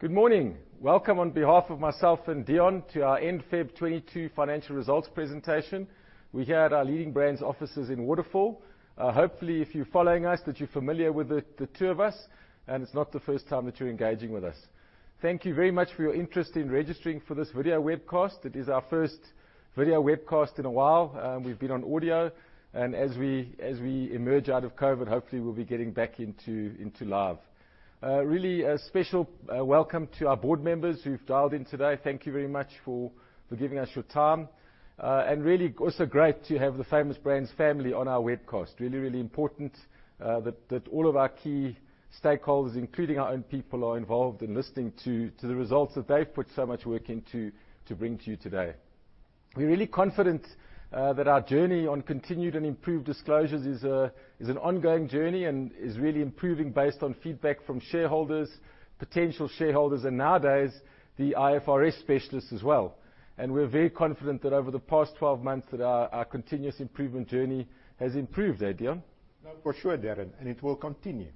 Good morning. Welcome on behalf of myself and Deon to our end February 2022 financial results presentation. We're here at our Leading Brands offices in Waterfall. Hopefully, if you're following us, that you're familiar with the two of us, and it's not the first time that you're engaging with us. Thank you very much for your interest in registering for this video webcast. It is our first video webcast in a while. We've been on audio, and as we emerge out of COVID, hopefully we'll be getting back into live. Really a special welcome to our board members who've dialed in today. Thank you very much for giving us your time. Really also great to have the Famous Brands family on our webcast. Really, really important that all of our key stakeholders, including our own people, are involved in listening to the results that they've put so much work into to bring to you today. We're really confident that our journey on continued and improved disclosures is an ongoing journey and is really improving based on feedback from shareholders, potential shareholders, and nowadays the IFRS specialists as well. We're very confident that over the past 12 months, our continuous improvement journey has improved. Deon? No, for sure, Darren, and it will continue.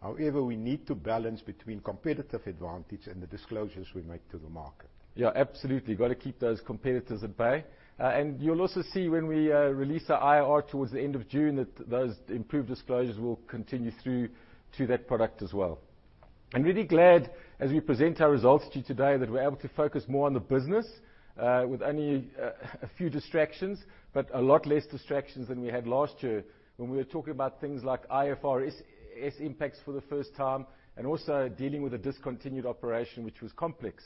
However, we need to balance between competitive advantage and the disclosures we make to the market. Yeah, absolutely. Gotta keep those competitors at bay. You'll also see when we release our IR towards the end of June, that those improved disclosures will continue through to that product as well. I'm really glad as we present our results to you today that we're able to focus more on the business, with only a few distractions, but a lot less distractions than we had last year when we were talking about things like IFRS impacts for the first time, and also dealing with a discontinued operation, which was complex.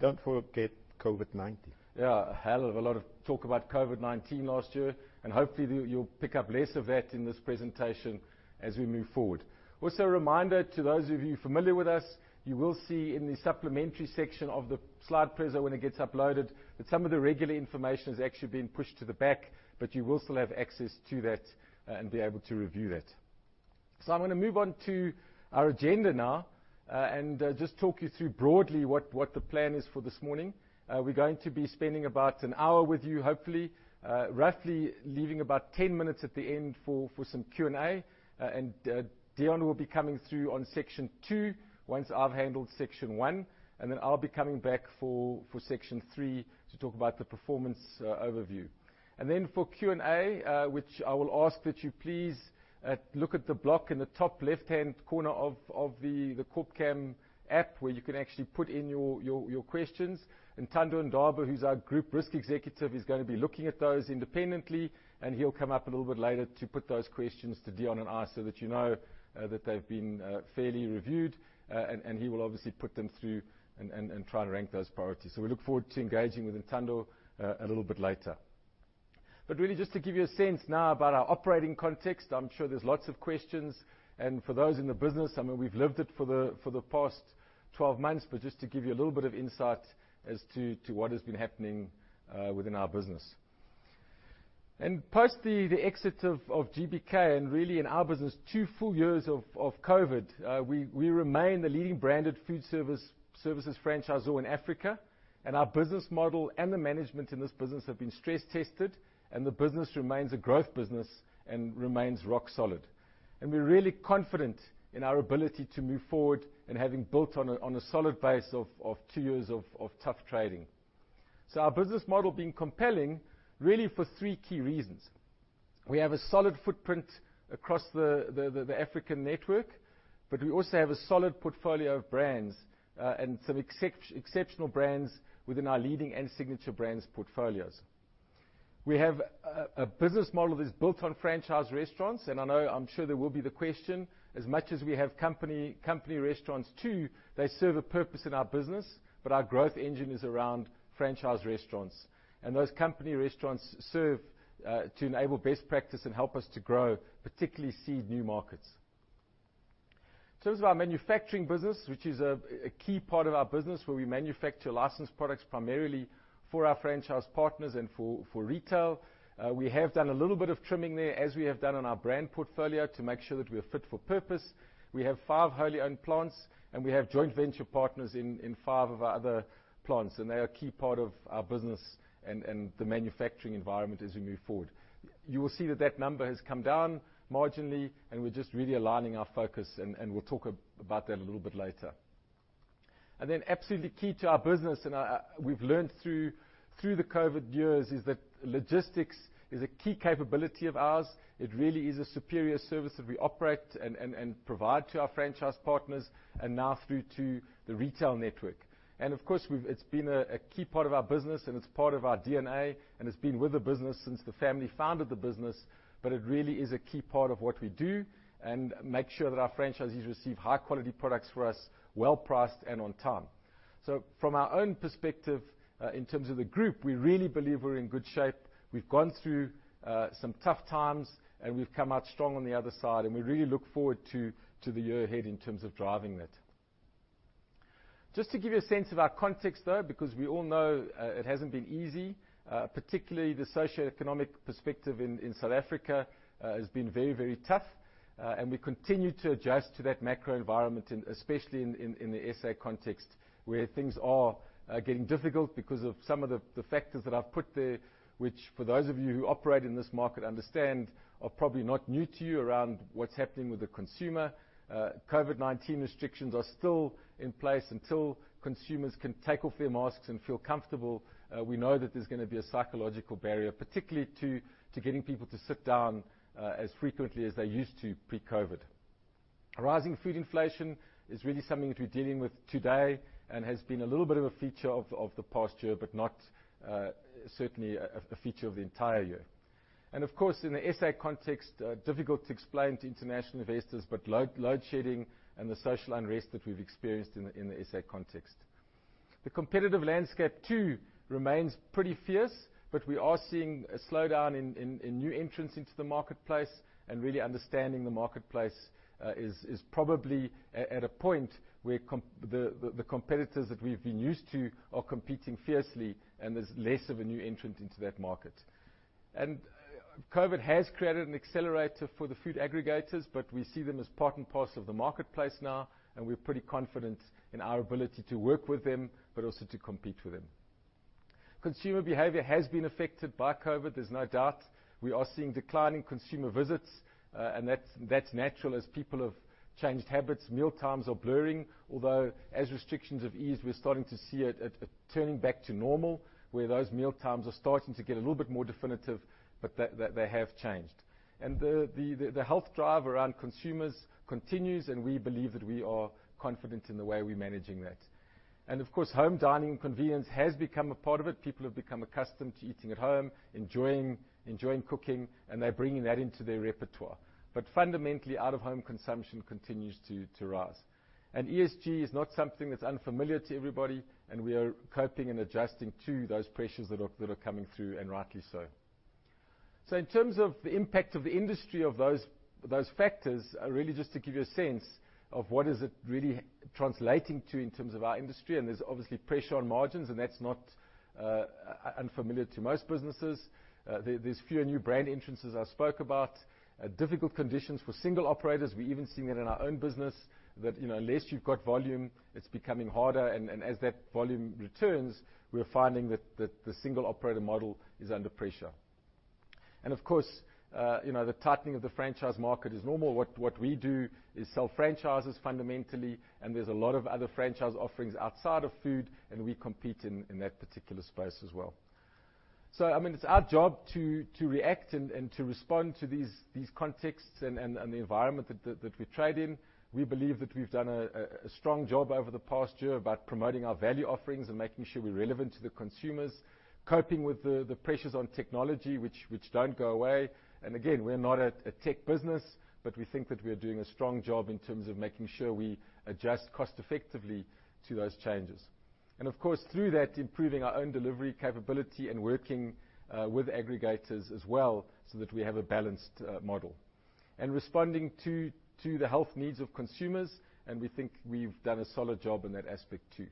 Don't forget COVID-19. Yeah, a hell of a lot of talk about COVID-19 last year, and hopefully you'll pick up less of that in this presentation as we move forward. Also, a reminder to those of you familiar with us, you will see in the supplementary section of the slide presentation when it gets uploaded, that some of the regular information has actually been pushed to the back, but you will still have access to that and be able to review that. I'm gonna move on to our agenda now, and just talk you through broadly what the plan is for this morning. We're going to be spending about an hour with you, hopefully, roughly leaving about 10 minutes at the end for some Q&A. Deon will be coming through on section two once I've handled section one, and then I'll be coming back for section three to talk about the performance overview. For Q&A, which I will ask that you please look at the block in the top left-hand corner of the Corpcam app where you can actually put in your questions. Ntando Ndaba, who's our Group Risk Executive, is gonna be looking at those independently, and he'll come up a little bit later to put those questions to Deon and I so that you know that they've been fairly reviewed, and he will obviously put them through and try to rank those priorities. We look forward to engaging with Ntando a little bit later. Really just to give you a sense now about our operating context. I'm sure there's lots of questions, and for those in the business, I mean, we've lived it for the past 12 months, but just to give you a little bit of insight as to what has been happening within our business. Post the exit of GBK, and really in our business, two full years of COVID, we remain the leading branded food services franchisor in Africa, and our business model and the management in this business have been stress-tested and the business remains a growth business and remains rock solid. We're really confident in our ability to move forward and having built on a solid base of two years of tough trading. Our business model being compelling really for three key reasons. We have a solid footprint across the African network, but we also have a solid portfolio of brands, and some exceptional brands within our Leading and Signature Brands portfolios. We have a business model that's built on franchise restaurants, and I know I'm sure there will be the question, as much as we have company restaurants too, they serve a purpose in our business, but our growth engine is around franchise restaurants. Those company restaurants serve to enable best practice and help us to grow, particularly seed new markets. In terms of our manufacturing business, which is a key part of our business where we manufacture licensed products primarily for our franchise partners and for retail, we have done a little bit of trimming there as we have done on our brand portfolio to make sure that we're fit for purpose. We have five wholly owned plants and we have joint venture partners in five of our other plants, and they are a key part of our business and the manufacturing environment as we move forward. You will see that number has come down marginally, and we're just really aligning our focus and we'll talk about that a little bit later. Then absolutely key to our business, we've learned through the COVID years, is that logistics is a key capability of ours. It really is a superior service that we operate and provide to our franchise partners, and now through to the retail network. Of course, it's been a key part of our business and it's part of our DNA, and it's been with the business since the family founded the business, but it really is a key part of what we do and make sure that our franchisees receive high-quality products for us, well-priced and on time. From our own perspective, in terms of the group, we really believe we're in good shape. We've gone through some tough times and we've come out strong on the other side, and we really look forward to the year ahead in terms of driving that. Just to give you a sense of our context, though, because we all know, it hasn't been easy, particularly the socioeconomic perspective in South Africa has been very, very tough, and we continue to adjust to that macro environment in especially in the SA context. Where things are getting difficult because of some of the factors that I've put there, which for those of you who operate in this market understand are probably not new to you around what's happening with the consumer. COVID-19 restrictions are still in place. Until consumers can take off their masks and feel comfortable, we know that there's gonna be a psychological barrier, particularly to getting people to sit down as frequently as they used to pre-COVID. Rising food inflation is really something that we're dealing with today and has been a little bit of a feature of the past year, but not certainly a feature of the entire year. Of course, in the SA context, difficult to explain to international investors, but load shedding and the social unrest that we've experienced in the SA context. The competitive landscape too remains pretty fierce, but we are seeing a slowdown in new entrants into the marketplace, and really understanding the marketplace is probably at a point where the competitors that we've been used to are competing fiercely and there's less of a new entrant into that market. COVID has created an accelerator for the food aggregators, but we see them as part and parcel of the marketplace now, and we're pretty confident in our ability to work with them, but also to compete with them. Consumer behavior has been affected by COVID, there's no doubt. We are seeing declining consumer visits, and that's natural as people have changed habits. Mealtimes are blurring, although as restrictions have eased, we're starting to see it turning back to normal, where those mealtimes are starting to get a little bit more definitive, but they have changed. The health drive around consumers continues, and we believe that we are confident in the way we're managing that. Of course, home dining and convenience has become a part of it. People have become accustomed to eating at home, enjoying cooking, and they're bringing that into their repertoire. But fundamentally, out-of-home consumption continues to rise. ESG is not something that's unfamiliar to everybody, and we are coping and adjusting to those pressures that are coming through, and rightly so. In terms of the impact of the industry of those factors, really just to give you a sense of what is it really translating to in terms of our industry, and there's obviously pressure on margins, and that's not unfamiliar to most businesses. There's fewer new brand entrances I spoke about. Difficult conditions for single operators. We're even seeing it in our own business that, you know, unless you've got volume, it's becoming harder, and as that volume returns, we're finding that the single operator model is under pressure. Of course, you know, the tightening of the franchise market is normal. What we do is sell franchises fundamentally, and there's a lot of other franchise offerings outside of food, and we compete in that particular space as well. I mean, it's our job to react and to respond to these contexts and the environment that we trade in. We believe that we've done a strong job over the past year about promoting our value offerings and making sure we're relevant to the consumers, coping with the pressures on technology which don't go away. Again, we're not a tech business, but we think that we're doing a strong job in terms of making sure we adjust cost-effectively to those changes. Of course, through that, improving our own delivery capability and working with aggregators as well, so that we have a balanced model. Responding to the health needs of consumers, and we think we've done a solid job in that aspect too.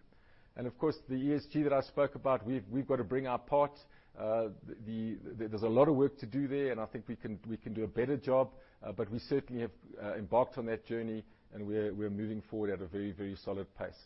Of course, the ESG that I spoke about, we've got to bring our part. There's a lot of work to do there, and I think we can do a better job, but we certainly have embarked on that journey and we're moving forward at a very solid pace.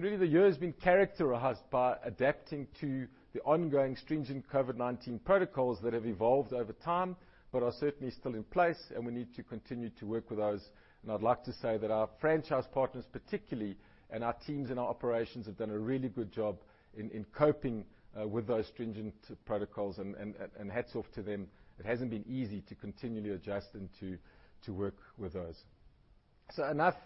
Really the year has been characterized by adapting to the ongoing stringent COVID-19 protocols that have evolved over time but are certainly still in place, and we need to continue to work with those. I'd like to say that our franchise partners particularly, and our teams and our operations have done a really good job in coping with those stringent protocols, and hats off to them. It hasn't been easy to continually adjust and to work with those. Enough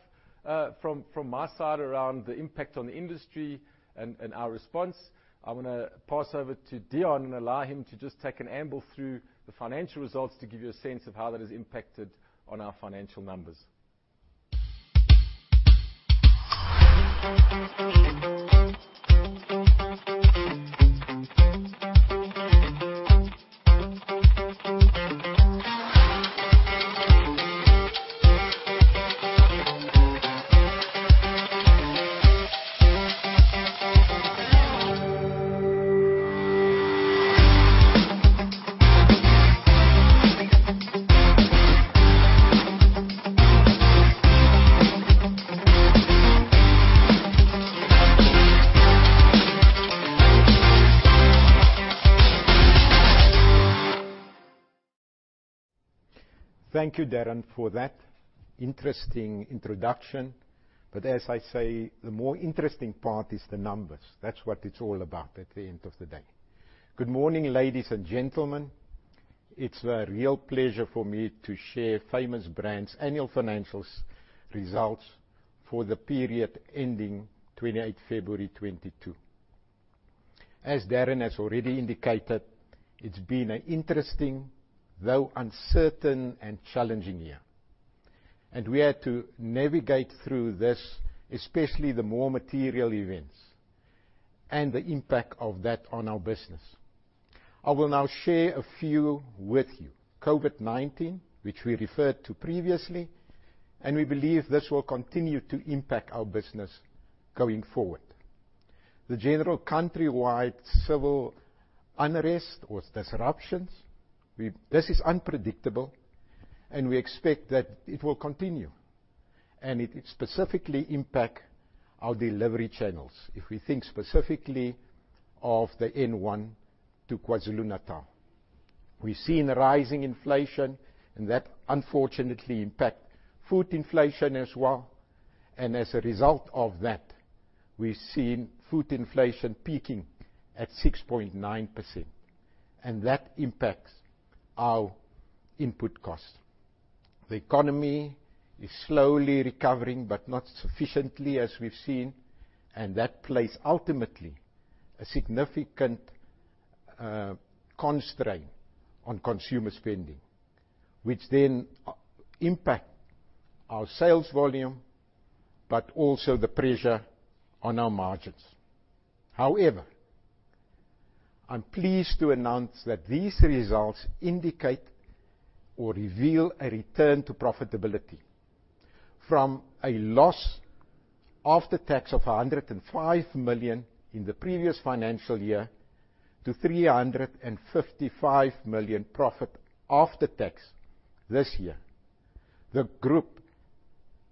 from my side around the impact on the industry and our response. I wanna pass over to Deon and allow him to just take us through the financial results to give you a sense of how that has impacted on our financial numbers. Thank you, Darren, for that interesting introduction. As I say, the more interesting part is the numbers. That's what it's all about at the end of the day. Good morning, ladies and gentlemen. It's a real pleasure for me to share Famous Brands' annual financial results for the period ending 28th February 2022. As Darren has already indicated, it's been an interesting, though uncertain and challenging year, and we had to navigate through this, especially the more material events and the impact of that on our business. I will now share a few with you. COVID-19, which we referred to previously, and we believe this will continue to impact our business going forward. The general countrywide civil unrest or disruptions. This is unpredictable, and we expect that it will continue, and it specifically impact our delivery channels. If we think specifically of the N1 to KwaZulu-Natal. We've seen rising inflation, and that, unfortunately, impacts food inflation as well. As a result of that, we've seen food inflation peaking at 6.9%, and that impacts our input costs. The economy is slowly recovering, but not sufficiently as we've seen, and that places ultimately a significant constraint on consumer spending, which then impacts our sales volume, but also the pressure on our margins. However, I'm pleased to announce that these results indicate or reveal a return to profitability from a loss after tax of 105 million in the previous financial year to 355 million profit after tax this year. The group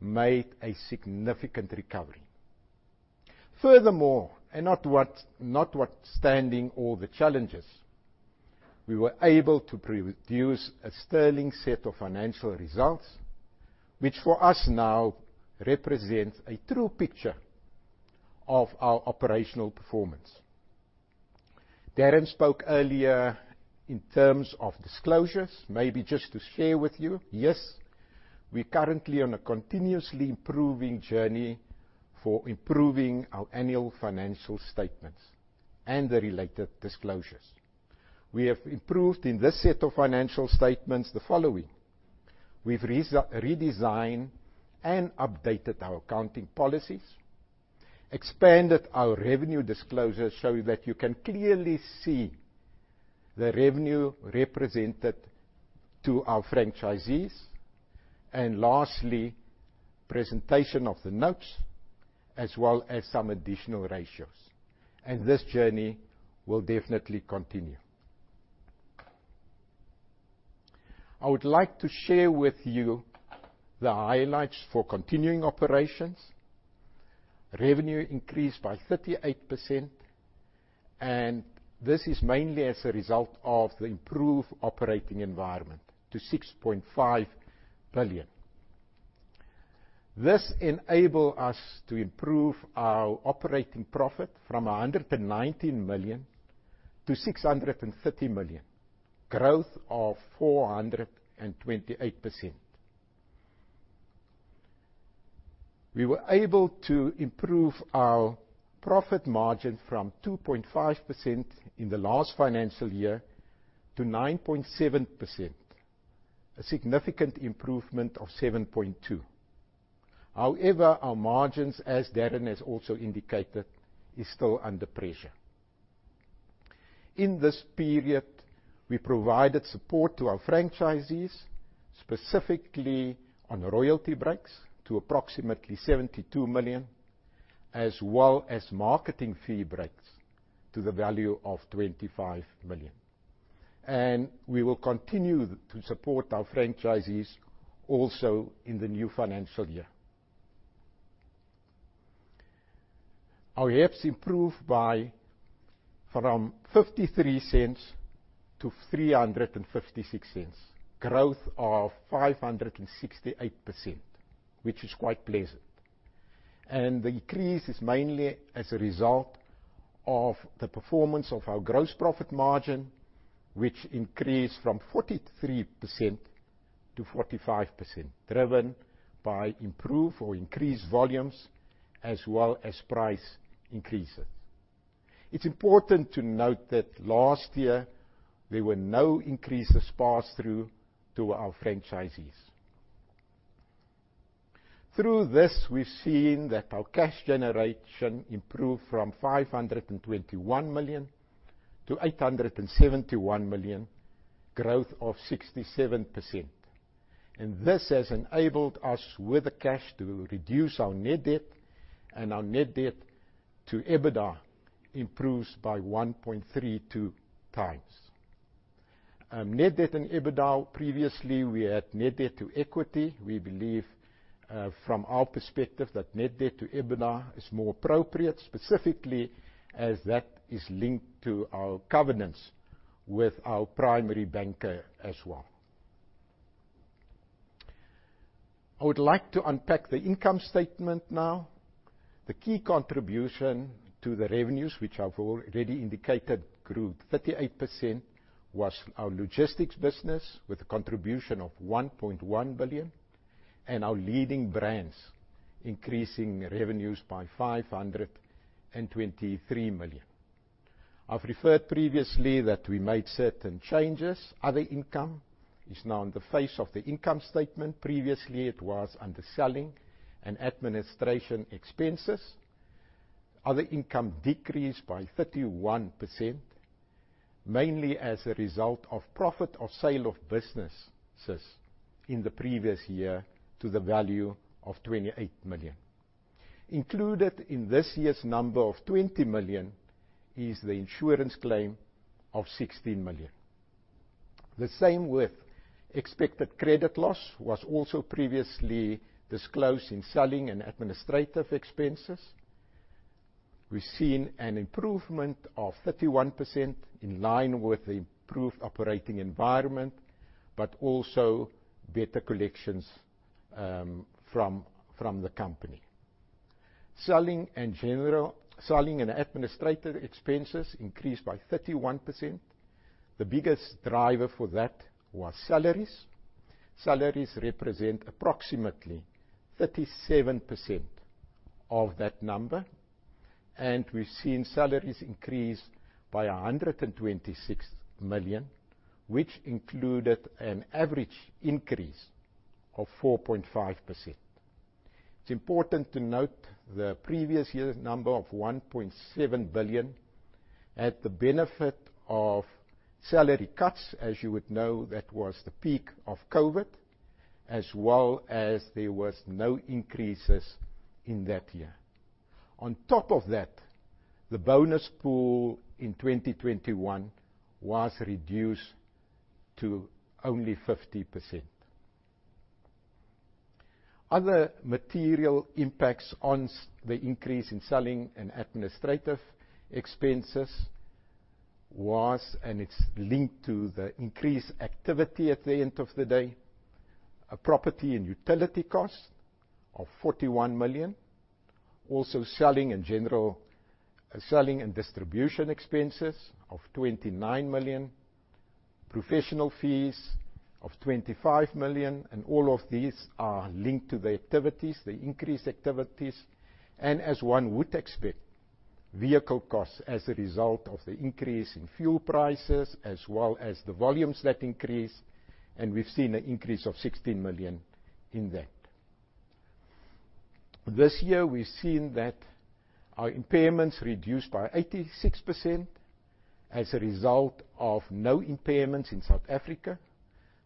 made a significant recovery. Furthermore, notwithstanding all the challenges, we were able to produce a sterling set of financial results, which for us now represents a true picture of our operational performance. Darren spoke earlier in terms of disclosures, maybe just to share with you. Yes, we're currently on a continuously improving journey for improving our annual financial statements and the related disclosures. We have improved in this set of financial statements the following. We've redesigned and updated our accounting policies, expanded our revenue disclosures so that you can clearly see the revenue represented to our franchisees, and lastly, presentation of the notes, as well as some additional ratios. This journey will definitely continue. I would like to share with you the highlights for continuing operations. Revenue increased by 38%, and this is mainly as a result of the improved operating environment to 6.5 billion. This enable us to improve our operating profit from 119 million to 630 million. Growth of 428%. We were able to improve our profit margin from 2.5% in the last financial year to 9.7%. A significant improvement of 7.2%. However, our margins, as Darren has also indicated, is still under pressure. In this period, we provided support to our franchisees, specifically on royalty breaks to approximately 72 million, as well as marketing fee breaks to the value of 25 million. We will continue to support our franchisees also in the new financial year. Our EPS improved from 53 cents to 356 cents, growth of 568%, which is quite pleasant. The increase is mainly as a result of the performance of our gross profit margin, which increased from 43% to 45%, driven by improved or increased volumes as well as price increases. It's important to note that last year there were no increases passed through to our franchisees. Through this, we've seen that our cash generation improved from 521 million to 871 million, growth of 67%. This has enabled us with the cash to reduce our net debt, and our net debt to EBITDA improves by 1.32 times. Net debt and EBITDA, previously, we had net debt to equity. We believe, from our perspective that net debt to EBITDA is more appropriate, specifically as that is linked to our covenants with our primary banker as well. I would like to unpack the income statement now. The key contribution to the revenues, which I've already indicated grew 38%, was our logistics business with a contribution of 1.1 billion and our Leading Brands increasing revenues by 523 million. I've referred previously that we made certain changes. Other income is now in the face of the income statement. Previously, it was under selling and administrative expenses. Other income decreased by 31%. Mainly as a result of profit on sale of businesses in the previous year to the value of 28 million. Included in this year's number of 20 million is the insurance claim of 16 million. The same with expected credit loss was also previously disclosed in selling and administrative expenses. We've seen an improvement of 31% in line with improved operating environment, but also better collections from the company. Selling and administrative expenses increased by 31%. The biggest driver for that was salaries. Salaries represent approximately 37% of that number, and we've seen salaries increase by 126 million, which included an average increase of 4.5%. It's important to note the previous year's number of 1.7 billion had the benefit of salary cuts. As you would know, that was the peak of COVID, as well as there was no increases in that year. On top of that, the bonus pool in 2021 was reduced to only 50%. Other material impacts on the increase in selling and administrative expenses was, and it's linked to the increased activity at the end of the day, a property and utility cost of 41 million. Also, selling and distribution expenses of 29 million, professional fees of 25 million, and all of these are linked to the activities, the increased activities. As one would expect, vehicle costs as a result of the increase in fuel prices as well as the volumes that increased, and we've seen an increase of 16 million in that. This year we've seen that our impairments reduced by 86% as a result of no impairments in South Africa.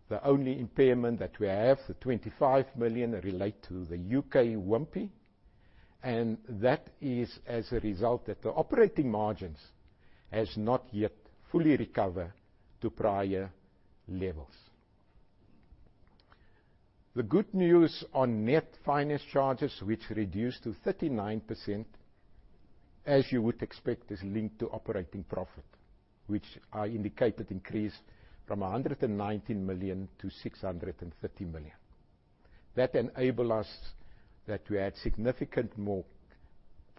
The only impairment that we have, the 25 million, relate to the UK, Wimpy, and that is as a result that the operating margins has not yet fully recovered to prior levels. The good news on net finance charges, which reduced to 39%, as you would expect, is linked to operating profit, which I indicated increased from 119 million to 630 million. That enabled us that we had significantly more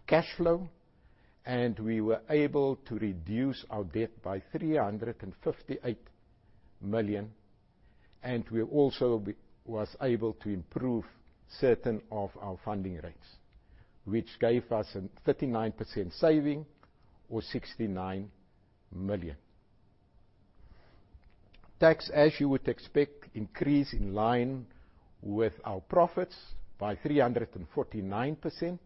cash flow, and we were able to reduce our debt by 358 million, and we also was able to improve certain of our funding rates, which gave us a 39% saving or 69 million. Tax, as you would expect, increased in line with our profits by 349%,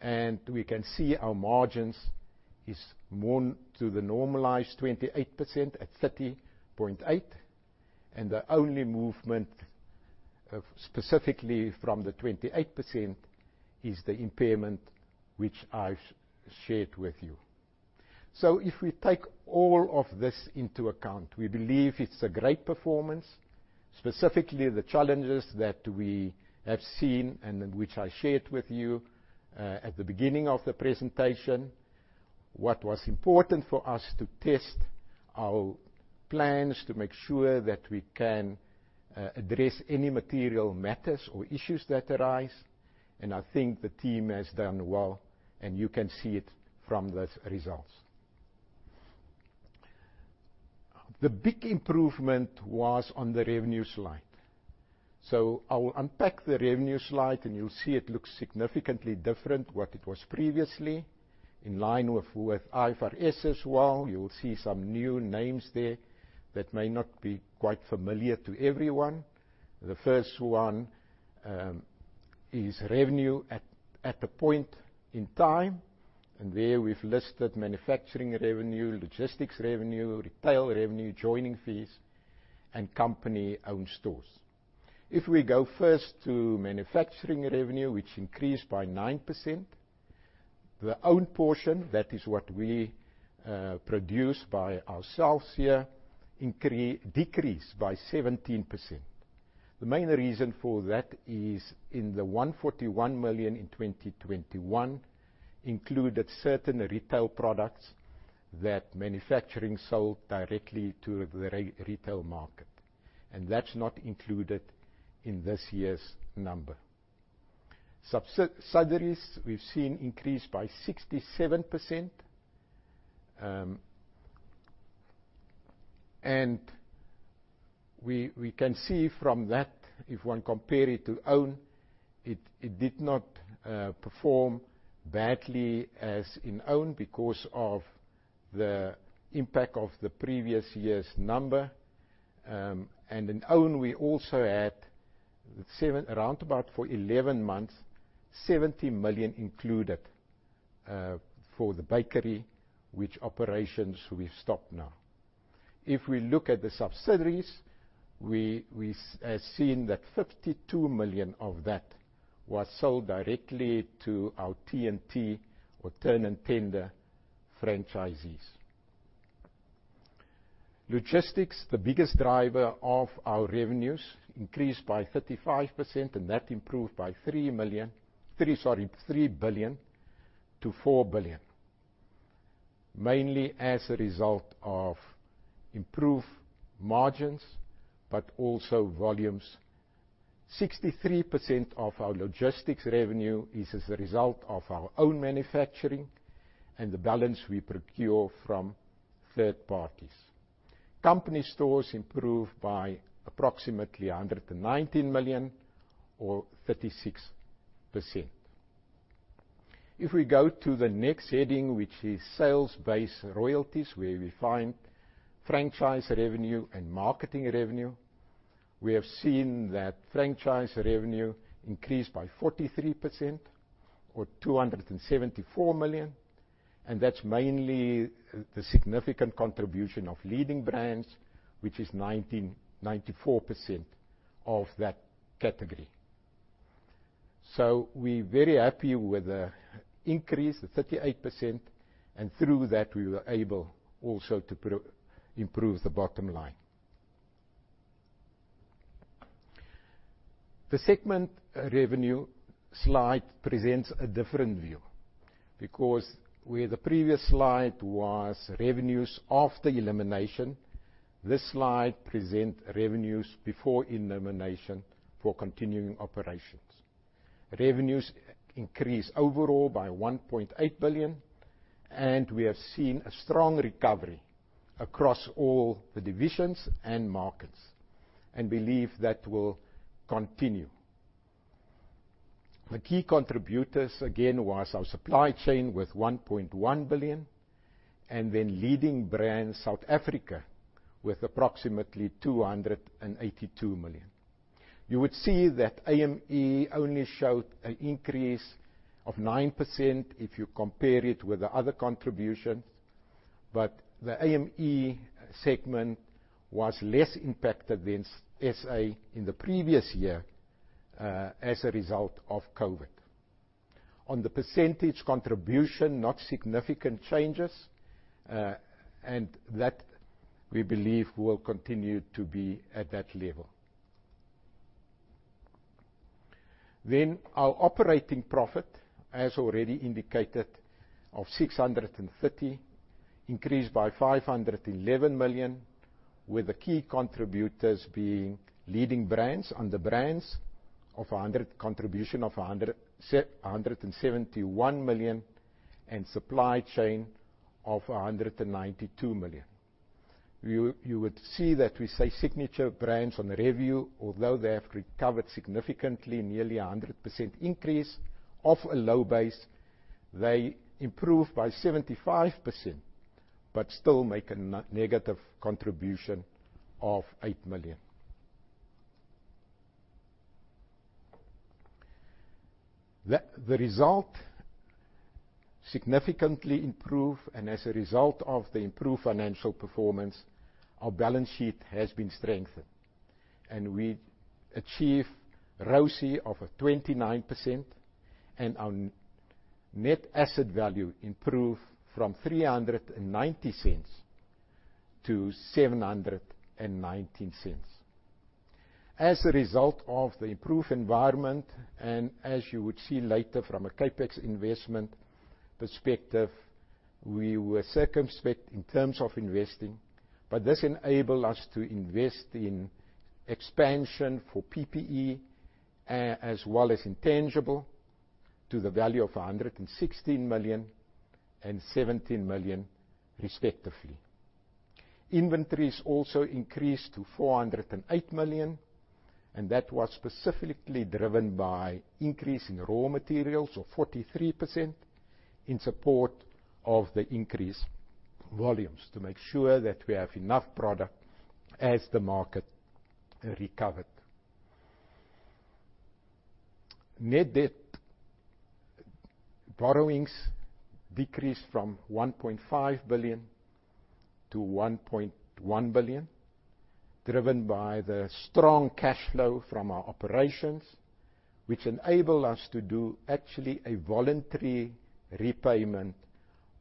and we can see our margins is more to the normalized 28% at 30.8%. The only movement of specifically from the 28% is the impairment which I've shared with you. If we take all of this into account, we believe it's a great performance, specifically the challenges that we have seen and which I shared with you at the beginning of the presentation. What was important for us to test our plans to make sure that we can address any material matters or issues that arise, and I think the team has done well, and you can see it from those results. The big improvement was on the revenue slide. I will unpack the revenue slide, and you'll see it looks significantly different to what it was previously. In line with IFRS as well, you'll see some new names there that may not be quite familiar to everyone. The first one is revenue at a point in time, and there we've listed manufacturing revenue, logistics revenue, retail revenue, joining fees, and company-owned stores. If we go first to manufacturing revenue, which increased by 9%, the own portion, that is what we produce by ourselves here, decreased by 17%. The main reason for that is the 141 million in 2021 included certain retail products that manufacturing sold directly to the retail market, and that's not included in this year's number. Subsidiaries, we've seen increase by 67%. We can see from that, if one compare it to own, it did not perform badly as in own because of the impact of the previous year's number. In own, we also had around about for 11 months, 70 million included, for the bakery, which operations we've stopped now. If we look at the subsidiaries, we have seen that 52 million of that was sold directly to our T&T or Turn 'n Tender franchisees. Logistics, the biggest driver of our revenues, increased by 35%, and that improved by 3 billion to 4 billion. Mainly as a result of improved margins, but also volumes. 63% of our logistics revenue is as a result of our own manufacturing and the balance we procure from third parties. Company stores improved by approximately 119 million or 36%. If we go to the next heading, which is sales-based royalties, where we find franchise revenue and marketing revenue, we have seen that franchise revenue increased by 43% or 274 million, and that's mainly the significant contribution of Leading Brands, which is 94% of that category. We're very happy with the increase of 38%, and through that, we were able also to improve the bottom line. The segment revenue slide presents a different view, because where the previous slide was revenues after elimination, this slide present revenues before elimination for continuing operations. Revenues increased overall by 1.8 billion, and we have seen a strong recovery across all the divisions and markets, and believe that will continue. The key contributors again was our supply chain with 1.1 billion and then Leading Brands South Africa with approximately 282 million. You would see that AME only showed an increase of 9% if you compare it with the other contributions, but the AME segment was less impacted than SA in the previous year, as a result of COVID. On the percentage contribution, not significant changes, and that we believe will continue to be at that level. Our operating profit, as already indicated, of 630 million increased by 511 million, with the key contributors being Leading Brands with a contribution of 171 million and supply chain of 192 million. You would see that we saw Signature Brands on revenue, although they have recovered significantly, nearly 100% increase off a low base, they improved by 75%, but still make a negative contribution of ZAR 8 million. The result significantly improved, and as a result of the improved financial performance, our balance sheet has been strengthened, and we achieved ROCE of 29%, and our net asset value improved from 3.90 to 7.19. As a result of the improved environment, and as you would see later from a CapEx investment perspective, we were circumspect in terms of investing, but this enabled us to invest in expansion for PPE, as well as intangible to the value of 116 million and 17 million respectively. Inventories also increased to 408 million, and that was specifically driven by increase in raw materials of 43% in support of the increased volumes to make sure that we have enough product as the market recovered. Net debt borrowings decreased from 1.5 billion to 1.1 billion, driven by the strong cash flow from our operations, which enable us to do actually a voluntary repayment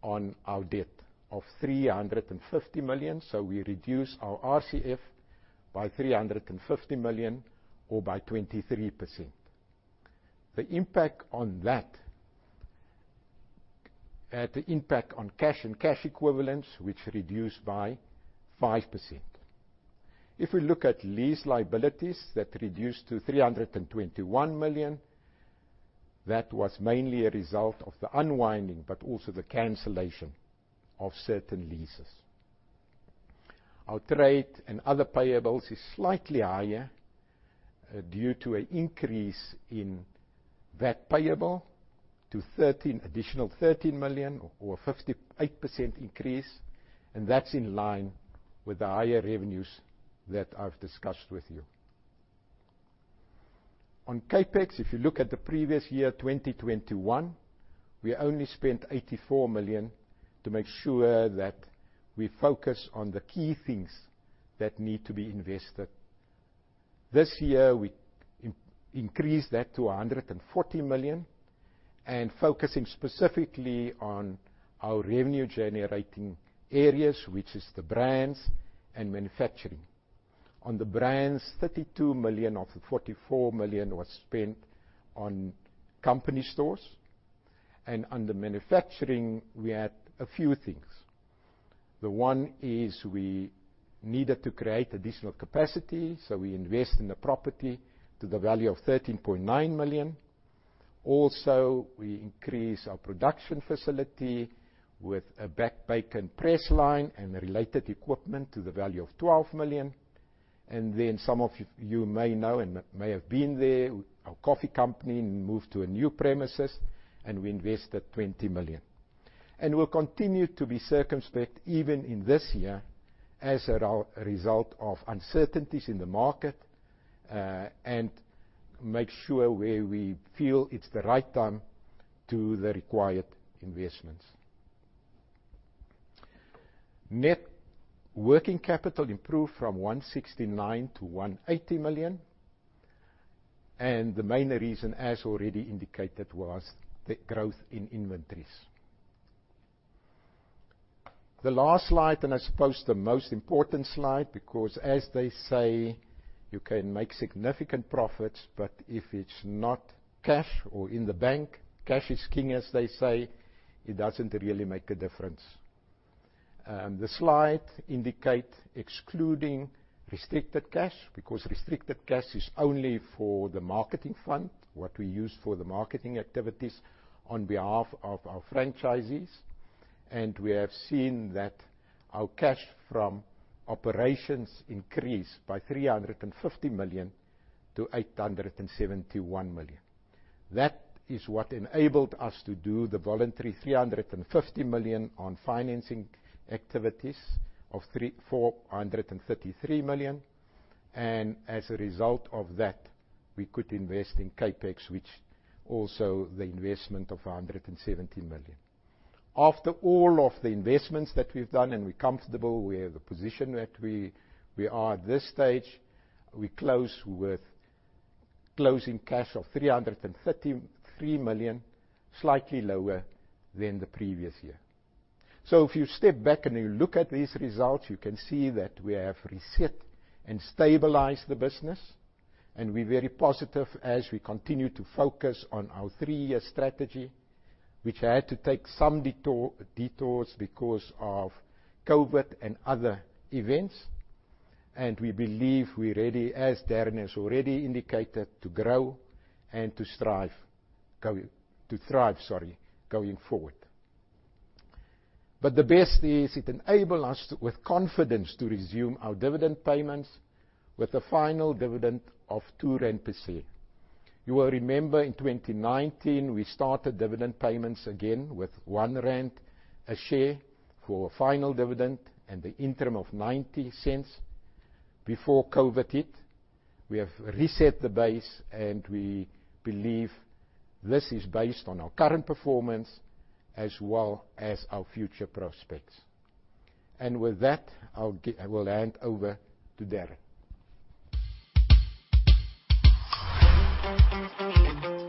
on our debt of 350 million. We reduce our RCF by 350 million or by 23%. The impact on that had an impact on cash and cash equivalents, which reduced by 5%. If we look at lease liabilities, that reduced to 321 million. That was mainly a result of the unwinding, but also the cancellation of certain leases. Our trade and other payables is slightly higher, due to an increase in that payable to 13, additional 13 million or 58% increase, and that's in line with the higher revenues that I've discussed with you. On CapEx, if you look at the previous year, 2021, we only spent 84 million to make sure that we focus on the key things that need to be invested. This year, we increased that to 140 million, and focusing specifically on our revenue-generating areas, which is the brands and manufacturing. On the brands, 32 million of the 44 million was spent on company stores. Under manufacturing, we had a few things. The one is we needed to create additional capacity, so we invest in the property to the value of 13.9 million. Also, we increase our production facility with a back bacon press line and related equipment to the value of 12 million. Then some of you may know and may have been there, our coffee company moved to a new premises, and we invested 20 million. We'll continue to be circumspect even in this year as a result of uncertainties in the market, and make sure where we feel it's the right time to the required investments. Net working capital improved from 169 million to 180 million, and the main reason, as already indicated, was the growth in inventories. The last slide, and I suppose the most important slide, because, as they say, you can make significant profits, but if it's not cash or in the bank, cash is king, as they say, it doesn't really make a difference. The slide indicate excluding restricted cash, because restricted cash is only for the marketing fund, what we use for the marketing activities on behalf of our franchisees. We have seen that our cash from operations increased by 350 million to 871 million. That is what enabled us to do the voluntary 350 million on financing activities of 433 million. As a result of that, we could invest in CapEx, which also the investment of 170 million. After all of the investments that we've done, we're comfortable with the position that we are at this stage. We close with closing cash of 333 million, slightly lower than the previous year. If you step back and you look at these results, you can see that we have reset and stabilized the business, and we're very positive as we continue to focus on our three-year strategy, which had to take some detours because of COVID and other events. We believe we're ready, as Darren has already indicated, to grow and to thrive, sorry, going forward. The best is it enable us with confidence to resume our dividend payments with a final dividend of 2 rand per share. You will remember in 2019, we started dividend payments again with 1 rand a share for final dividend and the interim of 0.90 before COVID hit. We have reset the base, and we believe this is based on our current performance as well as our future prospects. With that, I will hand over to Darren. Great.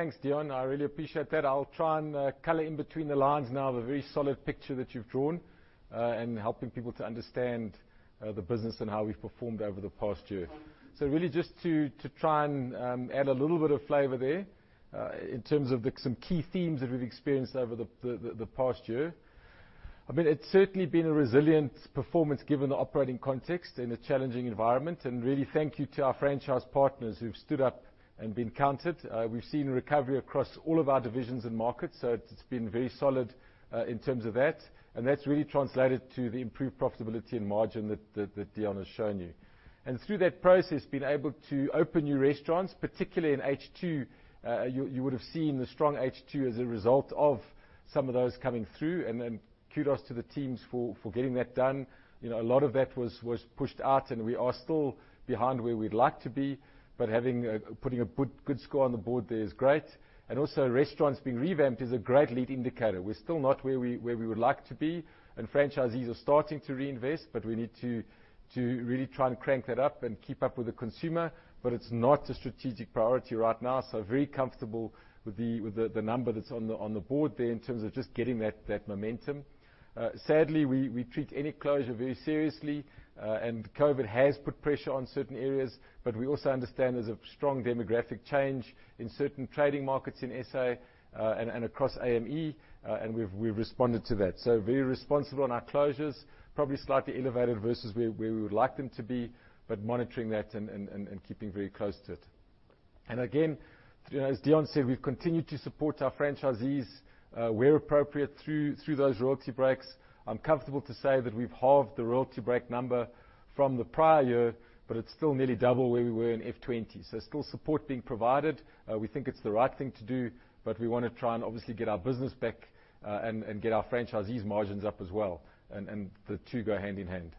Thanks, Deon. I really appreciate that. I'll try and color in between the lines now of a very solid picture that you've drawn and helping people to understand the business and how we've performed over the past year. Really just to try and add a little bit of flavor there in terms of some key themes that we've experienced over the past year. I mean, it's certainly been a resilient performance given the operating context in a challenging environment. Really thank you to our franchise partners who've stood up and been counted. We've seen recovery across all of our divisions and markets, so it's been very solid in terms of that, and that's really translated to the improved profitability and margin that Deon has shown you. Through that process, been able to open new restaurants, particularly in H2. You would have seen the strong H2 as a result of some of those coming through, and then kudos to the teams for getting that done. You know, a lot of that was pushed out, and we are still behind where we'd like to be. But putting a good score on the board there is great. Also restaurants being revamped is a great lead indicator. We're still not where we would like to be. Franchisees are starting to reinvest, but we need to really try and crank that up and keep up with the consumer. It's not a strategic priority right now, so very comfortable with the number that's on the board there in terms of just getting that momentum. Sadly, we treat any closure very seriously, and COVID has put pressure on certain areas. We also understand there's a strong demographic change in certain trading markets in SA, and across AME, and we've responded to that. Very responsible on our closures, probably slightly elevated versus where we would like them to be, but monitoring that and keeping very close to it. Again, you know, as Deon said, we've continued to support our franchisees where appropriate through those royalty breaks. I'm comfortable to say that we've halved the royalty break number from the prior year, but it's still nearly double where we were in F20. Still support being provided. We think it's the right thing to do, but we wanna try and obviously get our business back, and get our franchisees' margins up as well, and the two go hand in hand.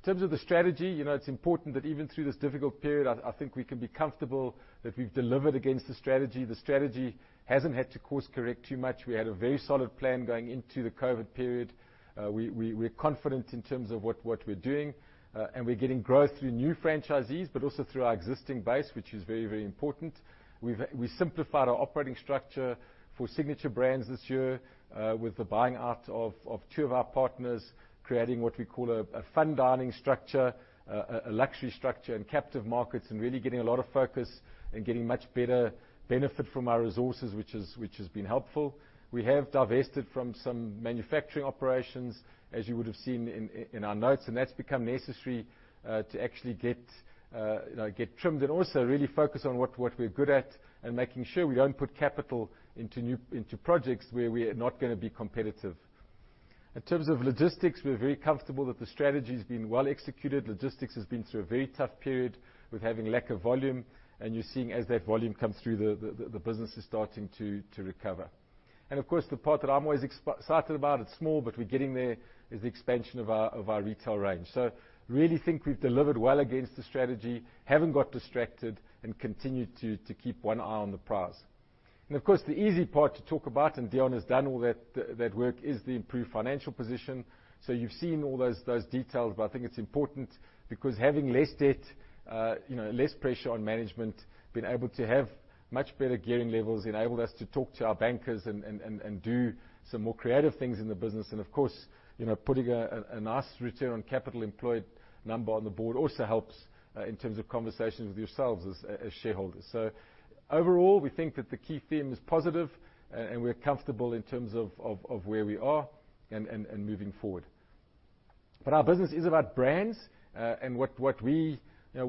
In terms of the strategy, you know, it's important that even through this difficult period, I think we can be comfortable that we've delivered against the strategy. The strategy hasn't had to course correct too much. We had a very solid plan going into the COVID period. We're confident in terms of what we're doing, and we're getting growth through new franchisees, but also through our existing base, which is very important. We simplified our operating structure for Signature Brands this year, with the buying out of two of our partners, creating what we call a fine dining structure, a luxury structure and captive markets, and really getting a lot of focus and getting much better benefit from our resources, which has been helpful. We have divested from some manufacturing operations, as you would have seen in our notes, and that's become necessary to actually, you know, get trimmed and also really focus on what we're good at and making sure we don't put capital into projects where we're not gonna be competitive. In terms of logistics, we're very comfortable that the strategy's been well executed. Logistics has been through a very tough period with having lack of volume, and you're seeing as that volume comes through, the business is starting to recover. Of course, the part that I'm always excited about, it's small, but we're getting there, is the expansion of our retail range. Really think we've delivered well against the strategy, haven't got distracted, and continued to keep one eye on the prize. Of course, the easy part to talk about, and Deon has done all that work, is the improved financial position. You've seen all those details, but I think it's important because having less debt, you know, less pressure on management, being able to have much better gearing levels enabled us to talk to our bankers and do some more creative things in the business. Of course, you know, putting a nice return on capital employed number on the board also helps in terms of conversations with yourselves as shareholders. Overall, we think that the key theme is positive and we're comfortable in terms of where we are and moving forward. Our business is about brands and what we sell, you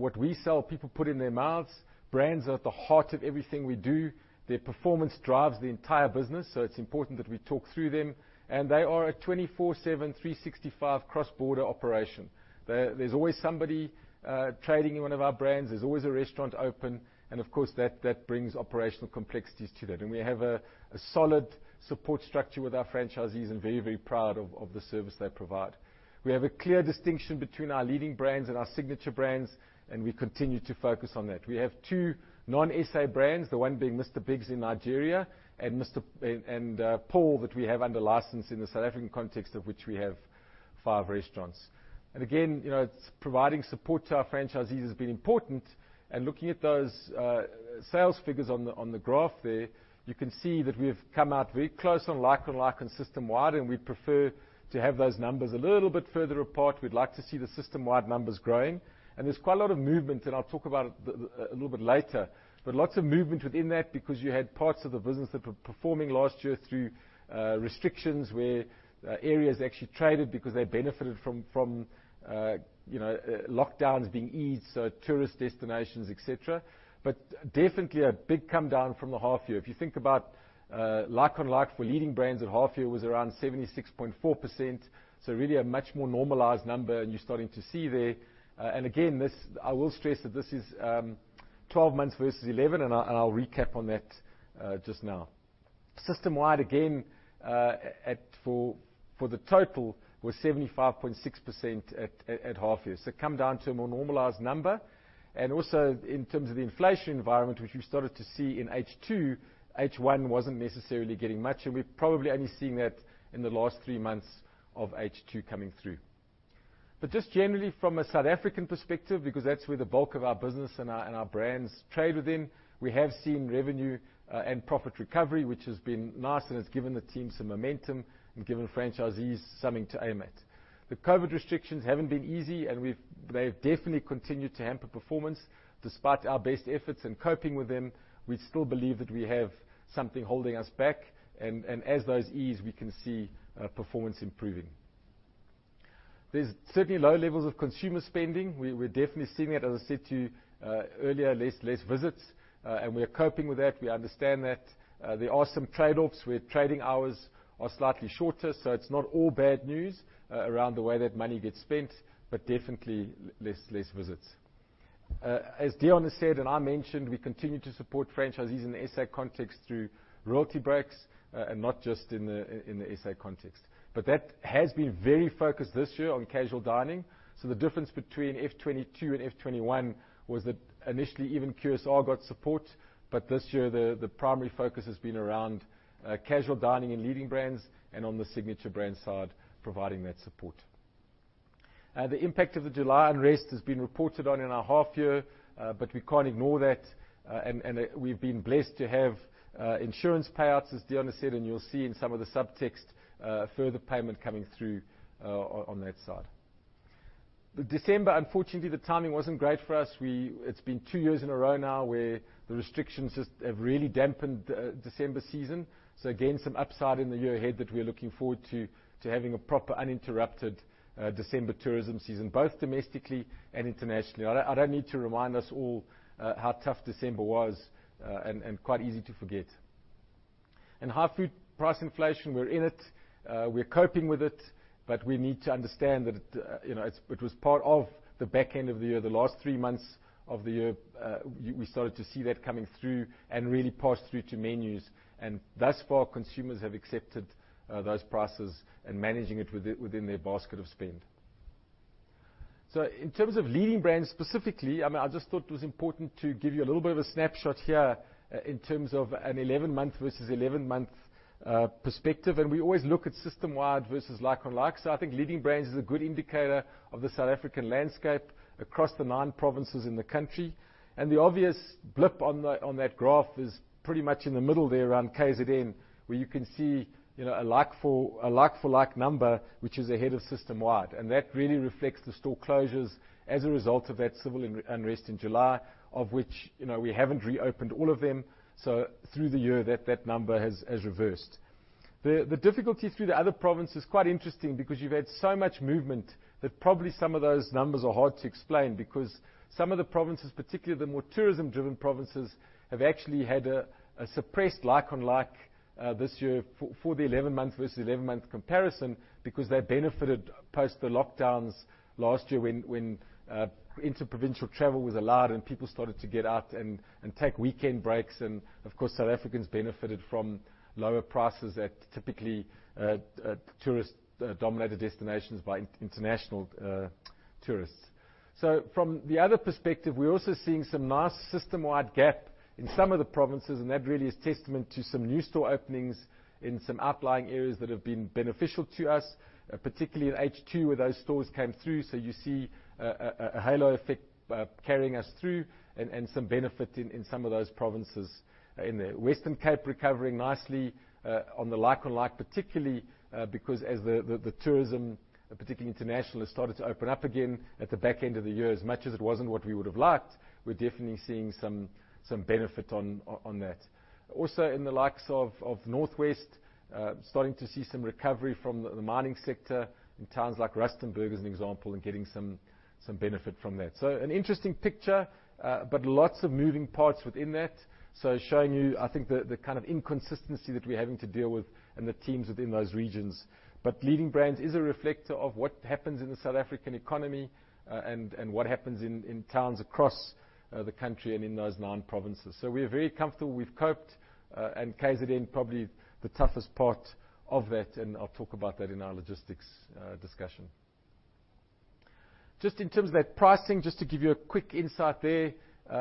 know, people put in their mouths. Brands are at the heart of everything we do. Their performance drives the entire business, so it's important that we talk through them, and they are a 24/7, 365 cross-border operation. There's always somebody trading in one of our brands. There's always a restaurant open, and of course, that brings operational complexities to that. We have a solid support structure with our franchisees and very proud of the service they provide. We have a clear distinction between our Leading Brands and our Signature Brands, and we continue to focus on that. We have two non-SA brands, the one being Mr. Bigg's in Nigeria and PAUL that we have under license in the South African context of which we have five restaurants. You know, providing support to our franchisees has been important, and looking at those sales figures on the graph there, you can see that we have come out very close on like-for-like and system-wide, and we prefer to have those numbers a little bit further apart. We'd like to see the system-wide numbers growing. There's quite a lot of movement, and I'll talk about it a little bit later. Lots of movement within that because you had parts of the business that were performing last year through restrictions where areas actually traded because they benefited from you know, lockdowns being eased, so tourist destinations, et cetera. Definitely a big come down from the half year. If you think about like-for-like for Leading Brands at half year was around 76.4%, so really a much more normalized number, and you're starting to see there. Again, this, I will stress that this is 12 months versus 11, and I'll recap on that just now. System-wide, again, at for the total was 75.6% at half year. Come down to a more normalized number. Also in terms of the inflation environment, which we started to see in H2, H1 wasn't necessarily getting much, and we're probably only seeing that in the last three months of H2 coming through. Just generally from a South African perspective, because that's where the bulk of our business and our brands trade within, we have seen revenue and profit recovery, which has been nice and has given the team some momentum and given franchisees something to aim at. The COVID restrictions haven't been easy, and they've definitely continued to hamper performance. Despite our best efforts in coping with them, we still believe that we have something holding us back, and as those ease, we can see performance improving. There's certainly low levels of consumer spending. We're definitely seeing it, as I said to you earlier, less visits, and we are coping with that. We understand that there are some trade-offs, where trading hours are slightly shorter, so it's not all bad news around the way that money gets spent, but definitely less visits. As Deon has said, and I mentioned, we continue to support franchisees in the SA context through royalty breaks, and not just in the SA context. That has been very focused this year on casual dining. The difference between FY 2022 and FY 2021 was that initially even QSR got support, but this year the primary focus has been around casual dining and Leading Brands and on the Signature Brands side providing that support. The impact of the July unrest has been reported on in our half-year, but we can't ignore that. We've been blessed to have insurance payouts, as Deon said, and you'll see in some of the subtext further payment coming through on that side. December, unfortunately, the timing wasn't great for us. It's been two years in a row now where the restrictions just have really dampened the December season. Again, some upside in the year ahead that we are looking forward to having a proper, uninterrupted December tourism season, both domestically and internationally. I don't need to remind us all how tough December was and quite easy to forget. High food price inflation, we're in it, we're coping with it, but we need to understand that, you know, it was part of the back end of the year. The last three months of the year, we started to see that coming through and really pass through to menus. Thus far, consumers have accepted those prices and managing it within their basket of spend. In terms of Leading Brands specifically, I mean, I just thought it was important to give you a little bit of a snapshot here in terms of an 11 month versus eleven-month perspective, and we always look at system-wide versus like-for-like. I think Leading Brands is a good indicator of the South African landscape across the nine provinces in the country. The obvious blip on that graph is pretty much in the middle there around KZN, where you can see, you know, a like-for-like number, which is ahead of system-wide. That really reflects the store closures as a result of that civil unrest in July, of which, you know, we haven't reopened all of them, so through the year that number has reversed. The difficulty through the other provinces is quite interesting because you've had so much movement that probably some of those numbers are hard to explain, because some of the provinces, particularly the more tourism-driven provinces, have actually had a suppressed like-for-like this year for the eleven-month versus eleven-month comparison because they benefited post the lockdowns last year when interprovincial travel was allowed and people started to get out and take weekend breaks and of course, South Africans benefited from lower prices at typically tourist-dominated destinations by international tourists. From the other perspective, we're also seeing some nice system-wide growth in some of the provinces, and that really is testament to some new store openings in some outlying areas that have been beneficial to us, particularly in H2 where those stores came through. You see a halo effect carrying us through and some benefit in some of those provinces. In the Western Cape, recovering nicely on the like-for-like, particularly because as the tourism, particularly international, has started to open up again at the back end of the year. As much as it wasn't what we would have liked, we're definitely seeing some benefit on that. Also in the likes of North West, starting to see some recovery from the mining sector in towns like Rustenburg, as an example, and getting some benefit from that. An interesting picture, but lots of moving parts within that. Showing you, I think, the kind of inconsistency that we're having to deal with and the teams within those regions. Leading Brands is a reflector of what happens in the South African economy, and what happens in towns across the country and in those nine provinces. We're very comfortable we've coped, and KZN probably the toughest part of that, and I'll talk about that in our logistics discussion. Just in terms of that pricing, just to give you a quick insight there,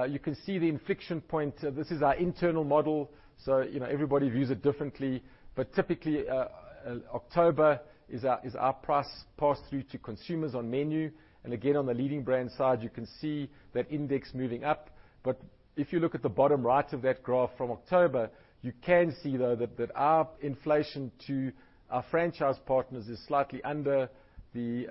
you can see the inflection point. This is our internal model, so you know, everybody views it differently. Typically, October is our price pass through to consumers on menu. Again, on the Leading Brands side, you can see that index moving up. If you look at the bottom right of that graph from October, you can see, though, that our inflation to our franchise partners is slightly under the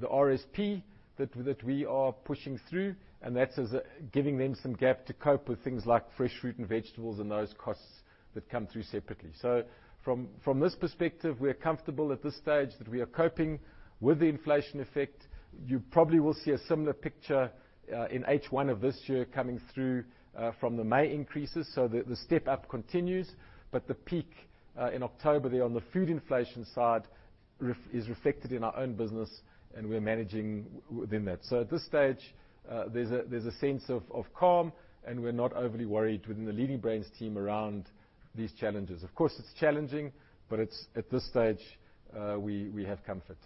RSP that we are pushing through, and that's also giving them some gap to cope with things like fresh fruit and vegetables and those costs that come through separately. From this perspective, we're comfortable at this stage that we are coping with the inflation effect. You probably will see a similar picture in H1 of this year coming through from the May increases, the step up continues, but the peak in October there on the food inflation side is reflected in our own business, and we're managing within that. At this stage, there's a sense of calm, and we're not overly worried within the Leading Brands team around these challenges. Of course, it's challenging, but at this stage we have comfort.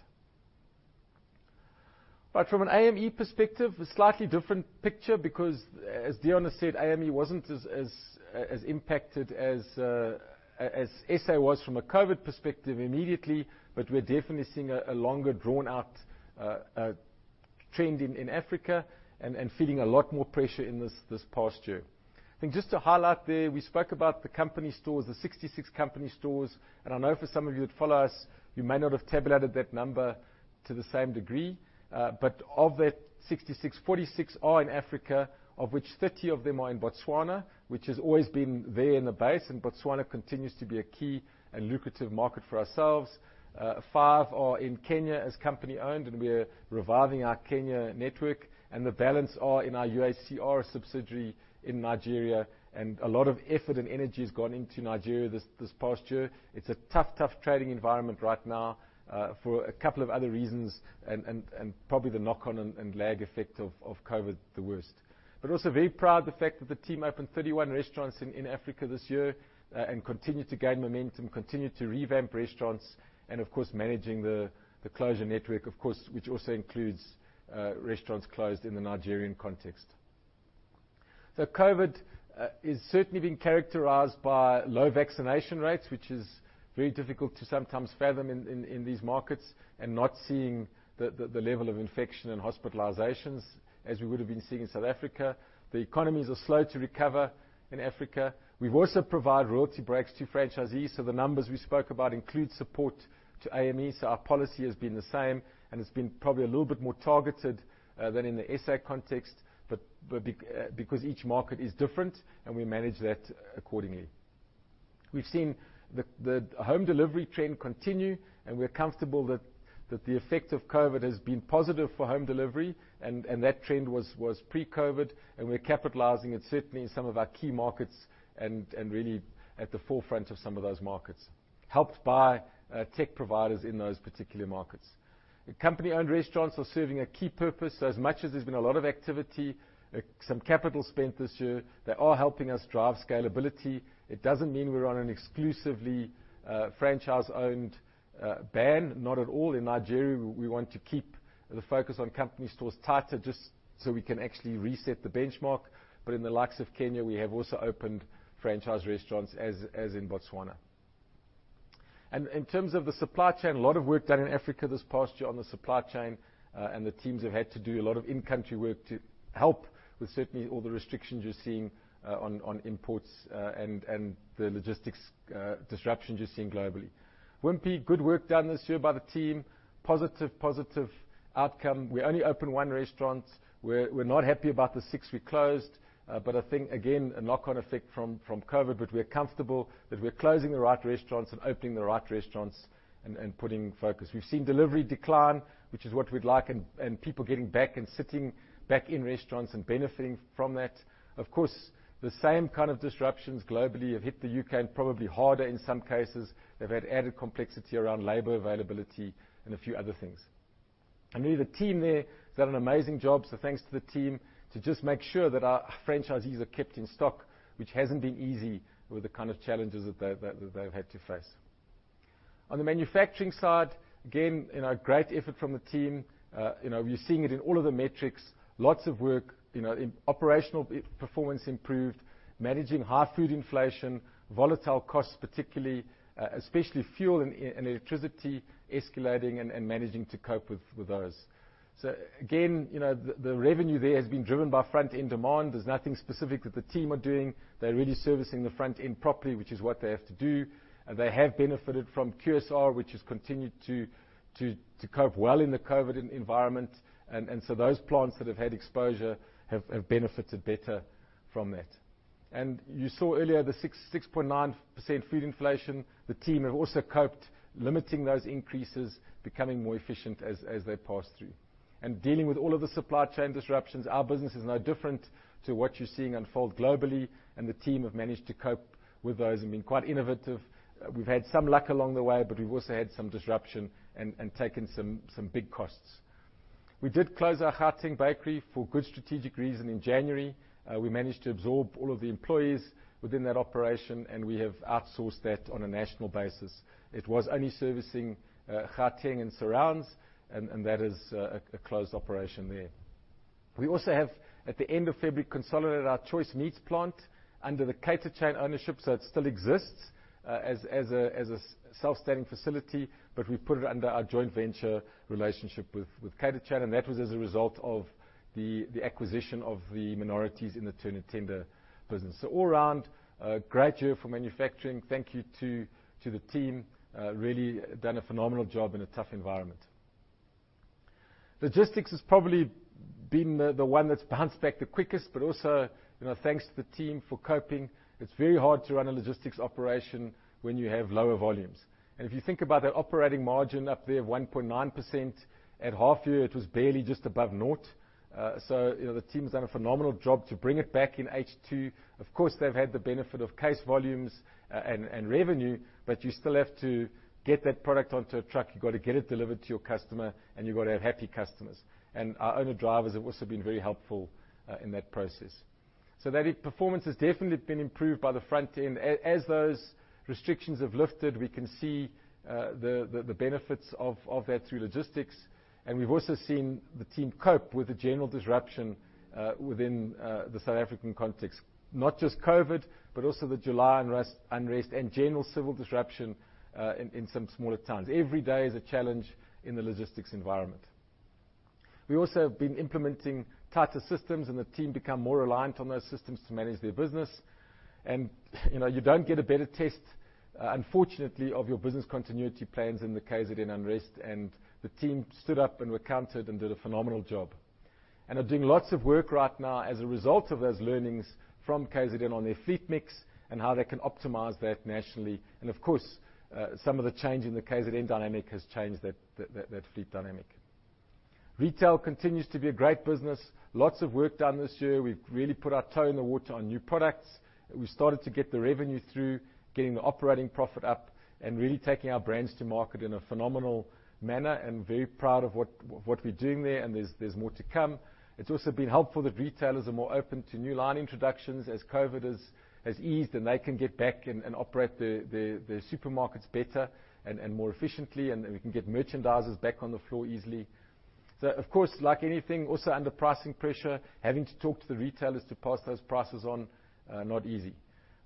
From an AME perspective, a slightly different picture because, as Deon said, AME wasn't as impacted as SA was from a COVID perspective immediately, but we're definitely seeing a longer drawn-out trend in Africa and feeling a lot more pressure in this past year. I think just to highlight there, we spoke about the company stores, the 66 company stores, and I know for some of you that follow us, you may not have tabulated that number to the same degree. Of that 66, 46 are in Africa, of which 30 of them are in Botswana, which has always been there in the base, and Botswana continues to be a key and lucrative market for ourselves. Five are in Kenya as company-owned, and we are reviving our Kenya network, and the balance are in our UAC subsidiary in Nigeria, and a lot of effort and energy has gone into Nigeria this past year. It's a tough trading environment right now for a couple of other reasons and probably the knock-on and lag effect of COVID the worst. also very proud of the fact that the team opened 31 restaurants in Africa this year, and continue to gain momentum, continue to revamp restaurants and of course, managing the closure network, of course, which also includes restaurants closed in the Nigerian context. COVID is certainly being characterized by low vaccination rates, which is very difficult to sometimes fathom in these markets, and not seeing the level of infection and hospitalizations as we would have been seeing in South Africa. The economies are slow to recover in Africa. We've also provided royalty breaks to franchisees, so the numbers we spoke about include support to AME. our policy has been the same, and it's been probably a little bit more targeted than in the SA context, but because each market is different, and we manage that accordingly. We've seen the home delivery trend continue, and we're comfortable that the effect of COVID has been positive for home delivery, and that trend was pre-COVID, and we're capitalizing it certainly in some of our key markets, and really at the forefront of some of those markets, helped by tech providers in those particular markets. The company-owned restaurants are serving a key purpose. As much as there's been a lot of activity, some capital spent this year, they are helping us drive scalability. It doesn't mean we're on an exclusively franchise-owned bandwagon, not at all. In Nigeria, we want to keep the focus on company stores tighter just so we can actually reset the benchmark. In the likes of Kenya, we have also opened franchise restaurants, as in Botswana. In terms of the supply chain, a lot of work done in Africa this past year on the supply chain, and the teams have had to do a lot of in-country work to help with certainly all the restrictions you're seeing on imports and the logistics disruption you're seeing globally. Wimpy. Good work done this year by the team. Positive outcome. We only opened one restaurant. We're not happy about the six we closed, but I think again, a knock-on effect from COVID, but we're comfortable that we're closing the right restaurants and opening the right restaurants and putting focus. We've seen delivery decline, which is what we'd like, and people getting back and sitting back in restaurants and benefiting from that. Of course, the same kind of disruptions globally have hit the U.K. and probably harder in some cases. They've had added complexity around labor availability and a few other things. Really the team there has done an amazing job, so thanks to the team to just make sure that our franchisees are kept in stock, which hasn't been easy with the kind of challenges that they've had to face. On the manufacturing side, again, you know, great effort from the team. You know, we're seeing it in all of the metrics. Lots of work, you know, operational performance improved, managing high food inflation, volatile costs, particularly, especially fuel and electricity escalating and managing to cope with those. Again, you know, the revenue there has been driven by front-end demand. There's nothing specific that the team are doing. They're really servicing the front end properly, which is what they have to do. They have benefited from QSR, which has continued to cope well in the COVID environment. Those plants that have had exposure have benefited better from that. You saw earlier the 6.9% food inflation. The team have also coped limiting those increases, becoming more efficient as they pass through. Dealing with all of the supply chain disruptions, our business is no different to what you're seeing unfold globally, and the team have managed to cope with those and been quite innovative. We've had some luck along the way, but we've also had some disruption and taken some big costs. We did close our Gauteng bakery for good strategic reason in January. We managed to absorb all of the employees within that operation, and we have outsourced that on a national basis. It was only servicing Gauteng and surrounds, and that is a closed operation there. We also have, at the end of February, consolidated our Choice Meats plant under the Cater Chain ownership, so it still exists as a self-standing facility, but we put it under our joint venture relationship with Cater Chain, and that was as a result of the acquisition of the minorities in the Turn 'n Tender business. All around, a great year for manufacturing. Thank you to the team. Really done a phenomenal job in a tough environment. Logistics has probably been the one that's bounced back the quickest, but also thanks to the team for coping. It's very hard to run a logistics operation when you have lower volumes. If you think about that operating margin up there, 1.9%, at half year, it was barely just above naught. You know, the team's done a phenomenal job to bring it back in H2. Of course, they've had the benefit of case volumes and revenue, but you still have to get that product onto a truck, you've got to get it delivered to your customer, and you've got to have happy customers. Our owner-drivers have also been very helpful in that process. That performance has definitely been improved by the front end. As those restrictions have lifted, we can see the benefits of that through logistics, and we've also seen the team cope with the general disruption within the South African context. Not just COVID, but also the July unrest and general civil disruption in some smaller towns. Every day is a challenge in the logistics environment. We also have been implementing tighter systems, and the team become more reliant on those systems to manage their business. You know, you don't get a better test, unfortunately, of your business continuity plans in the KZN unrest, and the team stood up and were counted and did a phenomenal job. They are doing lots of work right now as a result of those learnings from KZN on their fleet mix and how they can optimize that nationally. Of course, some of the change in the KZN dynamic has changed that fleet dynamic. Retail continues to be a great business. Lots of work done this year. We've really put our toe in the water on new products. We started to get the revenue through, getting the operating profit up, and really taking our brands to market in a phenomenal manner. I'm very proud of what we're doing there, and there's more to come. It's also been helpful that retailers are more open to new line introductions as COVID has eased, and they can get back and operate the supermarkets better and more efficiently, and we can get merchandisers back on the floor easily. Of course, like anything also under pricing pressure, having to talk to the retailers to pass those prices on, not easy.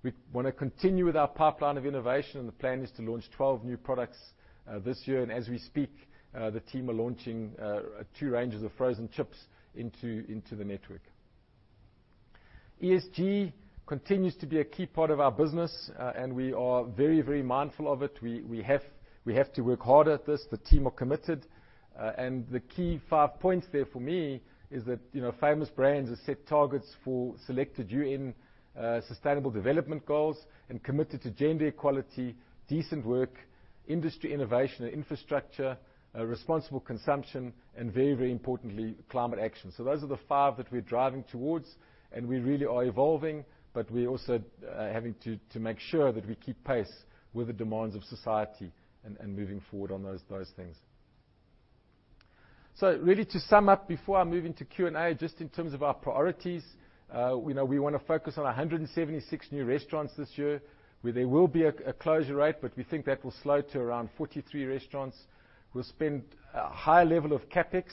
We wanna continue with our pipeline of innovation, and the plan is to launch 12 new products this year. As we speak, the team are launching two ranges of frozen chips into the network. ESG continues to be a key part of our business, and we are very, very mindful of it. We have to work harder at this. The team are committed. The key five points there for me is that, you know, Famous Brands has set targets for selected UN sustainable development goals and committed to gender equality, decent work, industry innovation and infrastructure, responsible consumption and very, very importantly, climate action. Those are the five that we're driving towards, and we really are evolving, but we also having to make sure that we keep pace with the demands of society and moving forward on those things. Really to sum up before I move into Q&A, just in terms of our priorities, we know we wanna focus on 176 new restaurants this year, where there will be a closure rate, but we think that will slow to around 43 restaurants. We'll spend a higher level of CapEx,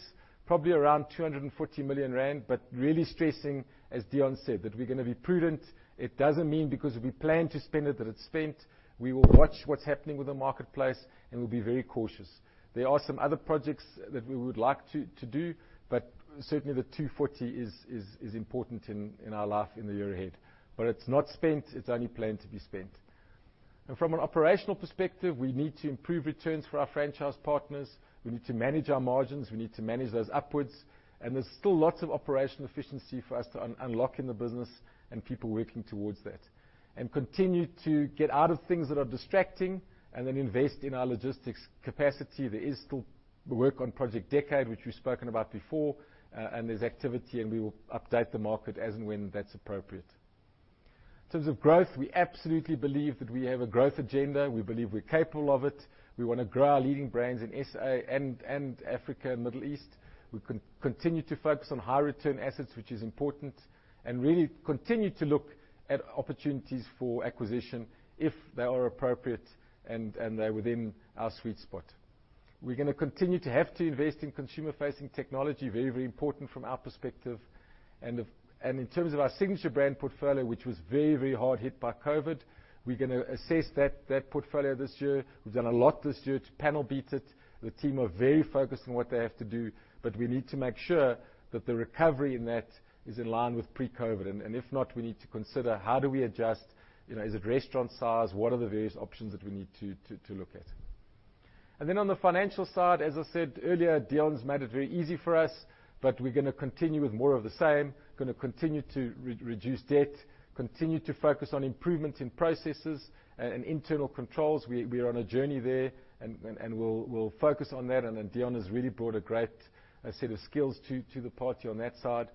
probably around 240 million rand, but really stressing, as Deon said, that we're gonna be prudent. It doesn't mean because if we plan to spend it, that it's spent. We will watch what's happening with the marketplace, and we'll be very cautious. There are some other projects that we would like to do, but certainly the 240 is important in our FY in the year ahead. It's not spent, it's only planned to be spent. From an operational perspective, we need to improve returns for our franchise partners. We need to manage our margins. We need to manage those upwards. There's still lots of operational efficiency for us to unlock in the business and people working towards that. Continue to get out of things that are distracting and then invest in our logistics capacity. There is still work on Project Decade, which we've spoken about before, and there's activity, and we will update the market as and when that's appropriate. In terms of growth, we absolutely believe that we have a growth agenda. We believe we're capable of it. We wanna grow our leading brands in SA and Africa and Middle East. We continue to focus on high return assets, which is important, and really continue to look at opportunities for acquisition if they are appropriate and they're within our sweet spot. We're gonna continue to have to invest in consumer facing technology. Very, very important from our perspective. In terms of our Signature Brands portfolio, which was very, very hard hit by COVID, we're gonna assess that portfolio this year. We've done a lot this year to panel beat it. The team are very focused on what they have to do, but we need to make sure that the recovery in that is in line with pre-COVID. If not, we need to consider how do we adjust, you know, is it restaurant size? What are the various options that we need to look at? On the financial side, as I said earlier, Deon's made it very easy for us, but we're gonna continue with more of the same, gonna continue to reduce debt, continue to focus on improvements in processes and internal controls. We are on a journey there and we'll focus on that. Deon has really brought a great set of skills to the party on that side.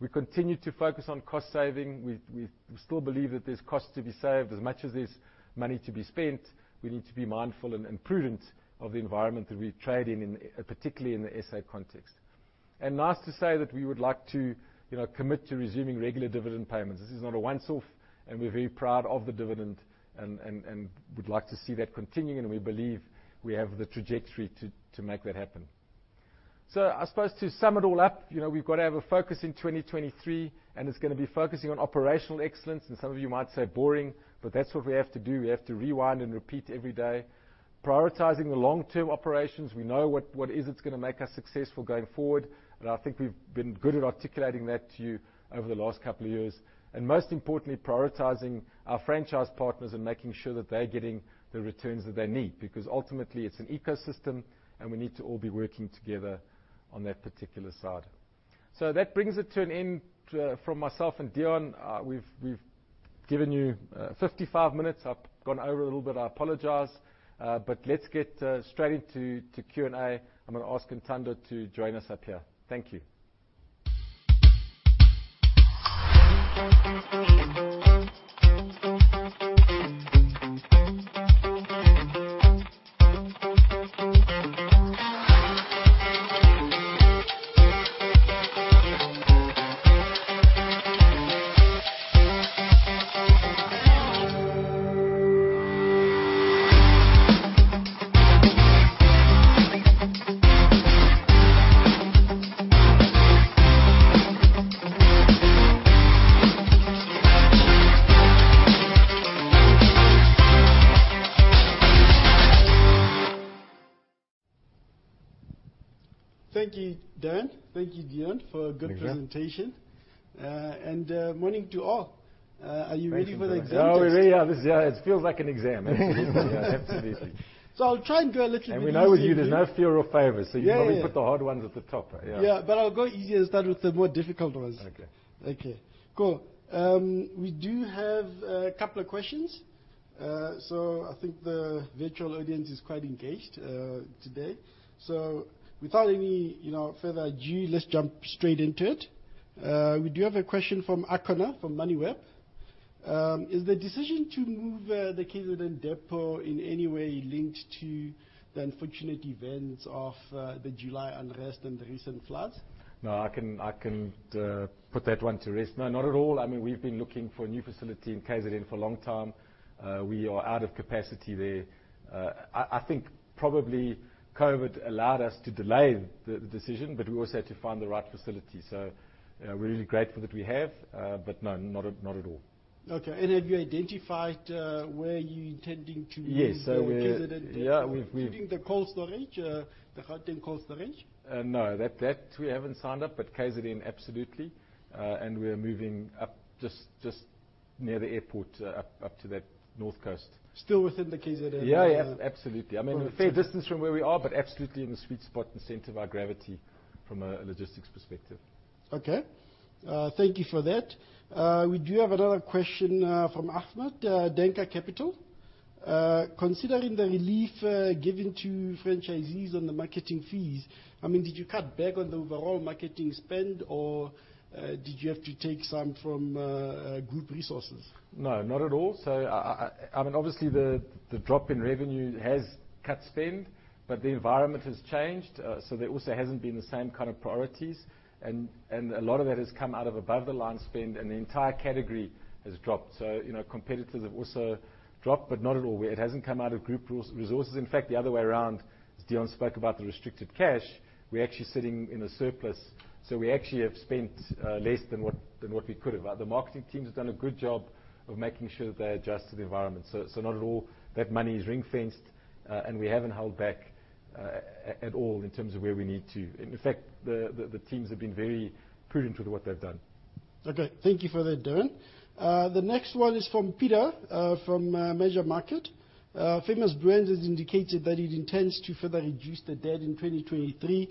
We continue to focus on cost saving. We still believe that there's cost to be saved. As much as there's money to be spent, we need to be mindful and prudent of the environment that we trade in, particularly in the SA context. It's nice to say that we would like to, you know, commit to resuming regular dividend payments. This is not a once off, and we're very proud of the dividend and would like to see that continuing, and we believe we have the trajectory to make that happen. I suppose to sum it all up, you know, we've got to have a focus in 2023, and it's gonna be focusing on operational excellence, and some of you might say boring, but that's what we have to do. We have to rewind and repeat every day. Prioritizing the long-term operations. We know what it is that's gonna make us successful going forward, and I think we've been good at articulating that to you over the last couple of years. Most importantly, prioritizing our franchise partners and making sure that they're getting the returns that they need, because ultimately it's an ecosystem and we need to all be working together on that particular side. That brings it to an end from myself and Deon. We've given you 55 minutes. I've gone over a little bit, I apologize. Let's get straight into Q&A. I'm gonna ask Ntando to join us up here. Thank you. Thank you, Darren. Thank you, Deon, for a good presentation. Thank you. Morning to all. Are you ready for the questions? Thank you. Oh, we really are. This, yeah, it feels like an exam. Absolutely. Yeah, absolutely. I'll try and go a little bit easier too. We know with you there's no fear or favor, so you'll probably. Yeah, yeah Put the hard ones at the top. Yeah. Yeah. I'll go easy and start with the more difficult ones. Okay. Okay, cool. We do have a couple of questions. I think the virtual audience is quite engaged today. Without any, you know, further ado, let's jump straight into it. We do have a question from Akona, from Moneyweb. Is the decision to move the KZN depot in any way linked to the unfortunate events of the July unrest and the recent floods? No, I can put that one to rest. No, not at all. I mean, we've been looking for a new facility in KZN for a long time. We are out of capacity there, and I think probably COVID allowed us to delay the decision, but we also had to find the right facility. We're really grateful that we have, but no, not at all. Okay. Have you identified where you're intending to move? Yes. Your KZN data? Yeah, we've. Including the cold storage, the Gauteng cold storage? No. That we haven't signed up, but KZN absolutely. We're moving up just near the airport, up to that north coast. Still within the KZN province? Yeah, yeah, absolutely. Okay. I mean, a fair distance from where we are, but absolutely in the sweet spot and center of our gravity from a logistics perspective. Thank you for that. We do have another question from Ahmed, Denker Capital. Considering the relief given to franchisees on the marketing fees, I mean, did you cut back on the overall marketing spend or did you have to take some from group resources? No, not at all. I mean, obviously the drop in revenue has cut spend, but the environment has changed, so there also hasn't been the same kind of priorities and a lot of that has come out of above-the-line spend, and the entire category has dropped. You know, competitors have also dropped, but not at all. It hasn't come out of group resources. In fact, the other way around, as Deon spoke about the restricted cash, we're actually sitting in a surplus, so we actually have spent less than what we could have. The marketing team has done a good job of making sure that they adjust to the environment. Not at all. That money is ring-fenced, and we haven't held back at all in terms of where we need to. In fact, the teams have been very prudent with what they've done. Okay. Thank you for that, Darren. The next one is from Peter, from Mazi Capital. Famous Brands has indicated that it intends to further reduce the debt in 2023.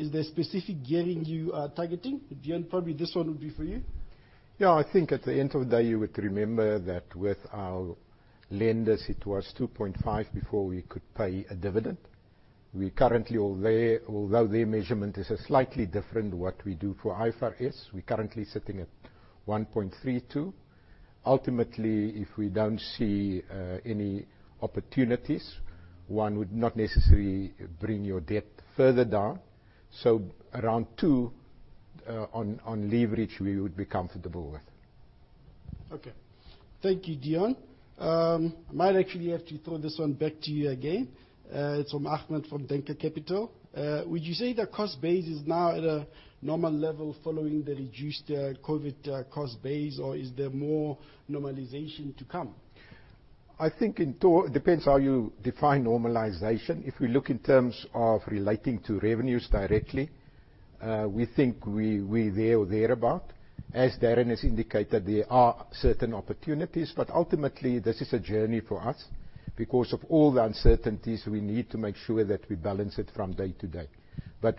Is there specific gearing you are targeting? Deon, probably this one would be for you. Yeah. I think at the end of the day, you would remember that with our lenders it was 2.5 before we could pay a dividend. We currently, although their measurement is slightly different to what we do for IFRS, we're currently sitting at 1.32. Ultimately, if we don't see any opportunities, one would not necessarily bring your debt further down. Around two on leverage we would be comfortable with. Okay. Thank you, Deon. I might actually have to throw this one back to you again. It's from Ahmed, from Denker Capital. Would you say the cost base is now at a normal level following the reduced COVID cost base, or is there more normalization to come? I think it depends how you define normalization. If we look in terms of relating to revenues directly, we think we're there or thereabout. As Darren has indicated, there are certain opportunities, but ultimately this is a journey for us. Because of all the uncertainties, we need to make sure that we balance it from day to day.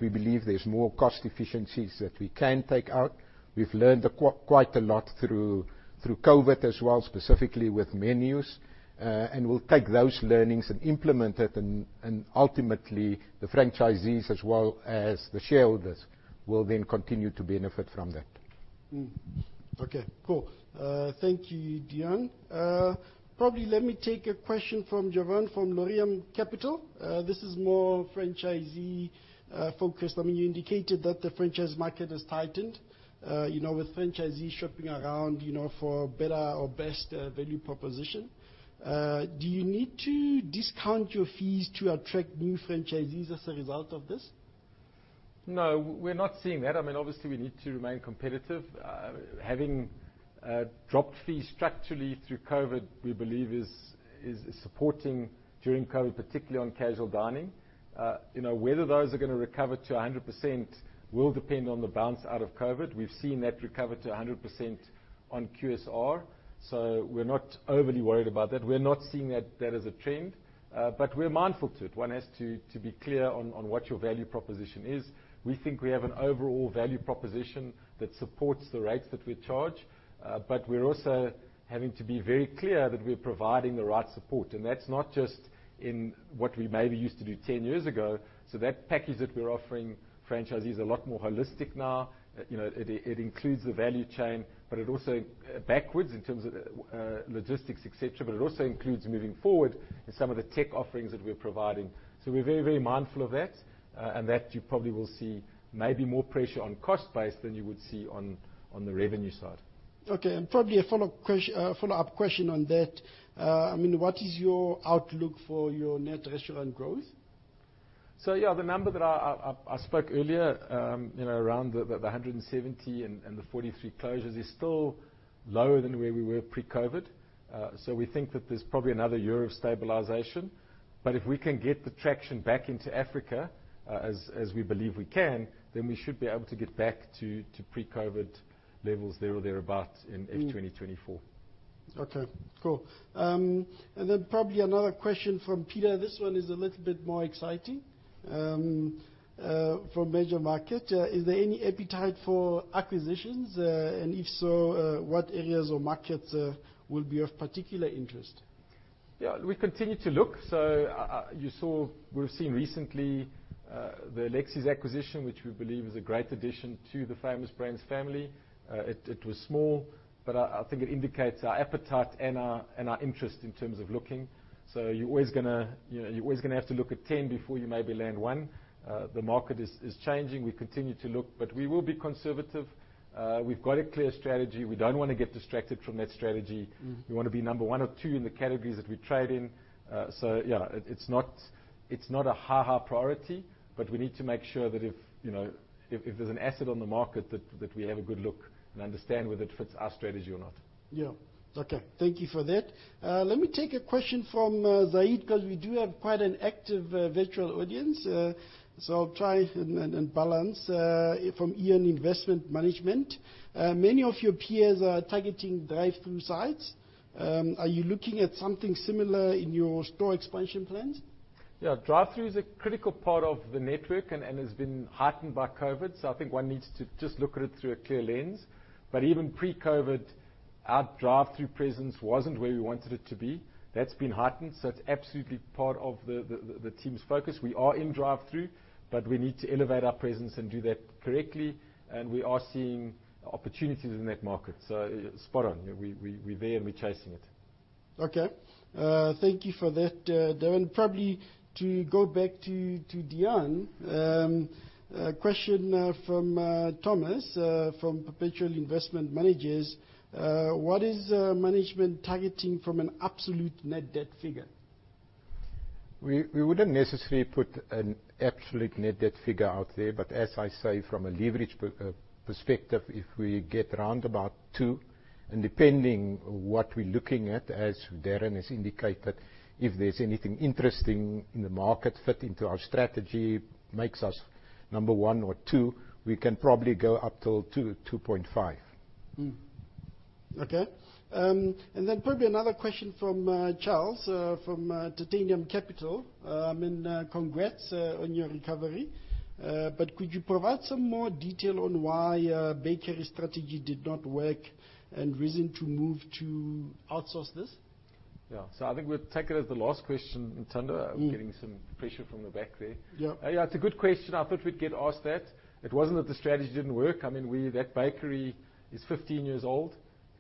We believe there's more cost efficiencies that we can take out. We've learned quite a lot through COVID as well, specifically with menus, and we'll take those learnings and implement it and ultimately the franchisees as well as the shareholders will then continue to benefit from that. Okay, cool. Thank you, Deon. Probably let me take a question from Jovan, from Laurium Capital. This is more franchisee focused. I mean, you indicated that the franchise market has tightened, you know, with franchisees shopping around, you know, for better or best value proposition. Do you need to discount your fees to attract new franchisees as a result of this? No, we're not seeing that. I mean, obviously we need to remain competitive. Having dropped fees structurally through COVID, we believe is supporting during COVID, particularly on casual dining. You know, whether those are gonna recover to 100% will depend on the bounce out of COVID. We've seen that recover to 100% on QSR, so we're not overly worried about that. We're not seeing that is a trend, but we're mindful to it. One has to be clear on what your value proposition is. We think we have an overall value proposition that supports the rates that we charge, but we're also having to be very clear that we're providing the right support. That's not just in what we maybe used to do 10 years ago. That package that we're offering franchisees is a lot more holistic now. You know, it includes the value chain, but it also backwards in terms of, logistics, et cetera, but it also includes moving forward in some of the tech offerings that we're providing. We're very, very mindful of that, and that you probably will see maybe more pressure on cost base than you would see on the revenue side. Okay. Probably a follow-up question on that. I mean, what is your outlook for your net restaurant growth? Yeah, the number that I spoke earlier, you know, around the 170 and the 43 closures is still lower than where we were pre-COVID. We think that there's probably another year of stabilization. If we can get the traction back into Africa, as we believe we can, then we should be able to get back to pre-COVID levels, there or thereabouts in FY 2024. Okay, cool. Probably another question from Peter, this one is a little bit more exciting, from Mazi Capital. Is there any appetite for acquisitions? If so, what areas or markets will be of particular interest? Yeah, we continue to look. We've seen recently the Lexi's acquisition, which we believe is a great addition to the Famous Brands family. It was small, but I think it indicates our appetite and our interest in terms of looking. You're always gonna, you know, have to look at 10 before you maybe land one. The market is changing. We continue to look, but we will be conservative. We've got a clear strategy. We don't wanna get distracted from that strategy. Mm. We wanna be number one or two in the categories that we trade in. Yeah, it's not a high priority, but we need to make sure that if, you know, if there's an asset on the market, that we have a good look and understand whether it fits our strategy or not. Yeah. Okay. Thank you for that. Let me take a question from Zaid, because we do have quite an active virtual audience, so I'll try and balance. From Aeon Investment Management: many of your peers are targeting drive-through sites. Are you looking at something similar in your store expansion plans? Yeah. Drive-through is a critical part of the network and has been heightened by COVID, so I think one needs to just look at it through a clear lens. Even pre-COVID, our drive-through presence wasn't where we wanted it to be. That's been heightened, so it's absolutely part of the team's focus. We are in drive-through, but we need to elevate our presence and do that correctly, and we are seeing opportunities in that market. Spot on. We're there, and we're chasing it. Okay. Thank you for that, Darren. Probably to go back to Deon, a question from Thomas from Perpetua Investment Managers. What is management targeting from an absolute net debt figure? We wouldn't necessarily put an absolute net debt figure out there, but as I say, from a leverage perspective, if we get round about 2, and depending what we're looking at, as Darren has indicated, if there's anything interesting in the market fit into our strategy, makes us number one or two, we can probably go up till 2-2.5. Okay. Probably another question from Charles from Titanium Capital, and congrats on your recovery. Could you provide some more detail on why bakery strategy did not work and reason to move to outsource this? Yeah. I think we'll take it as the last question, Ntando. Mm. I'm getting some pressure from the back there. Yeah. Yeah, it's a good question. I thought we'd get asked that. It wasn't that the strategy didn't work. I mean, that bakery is 15 years old.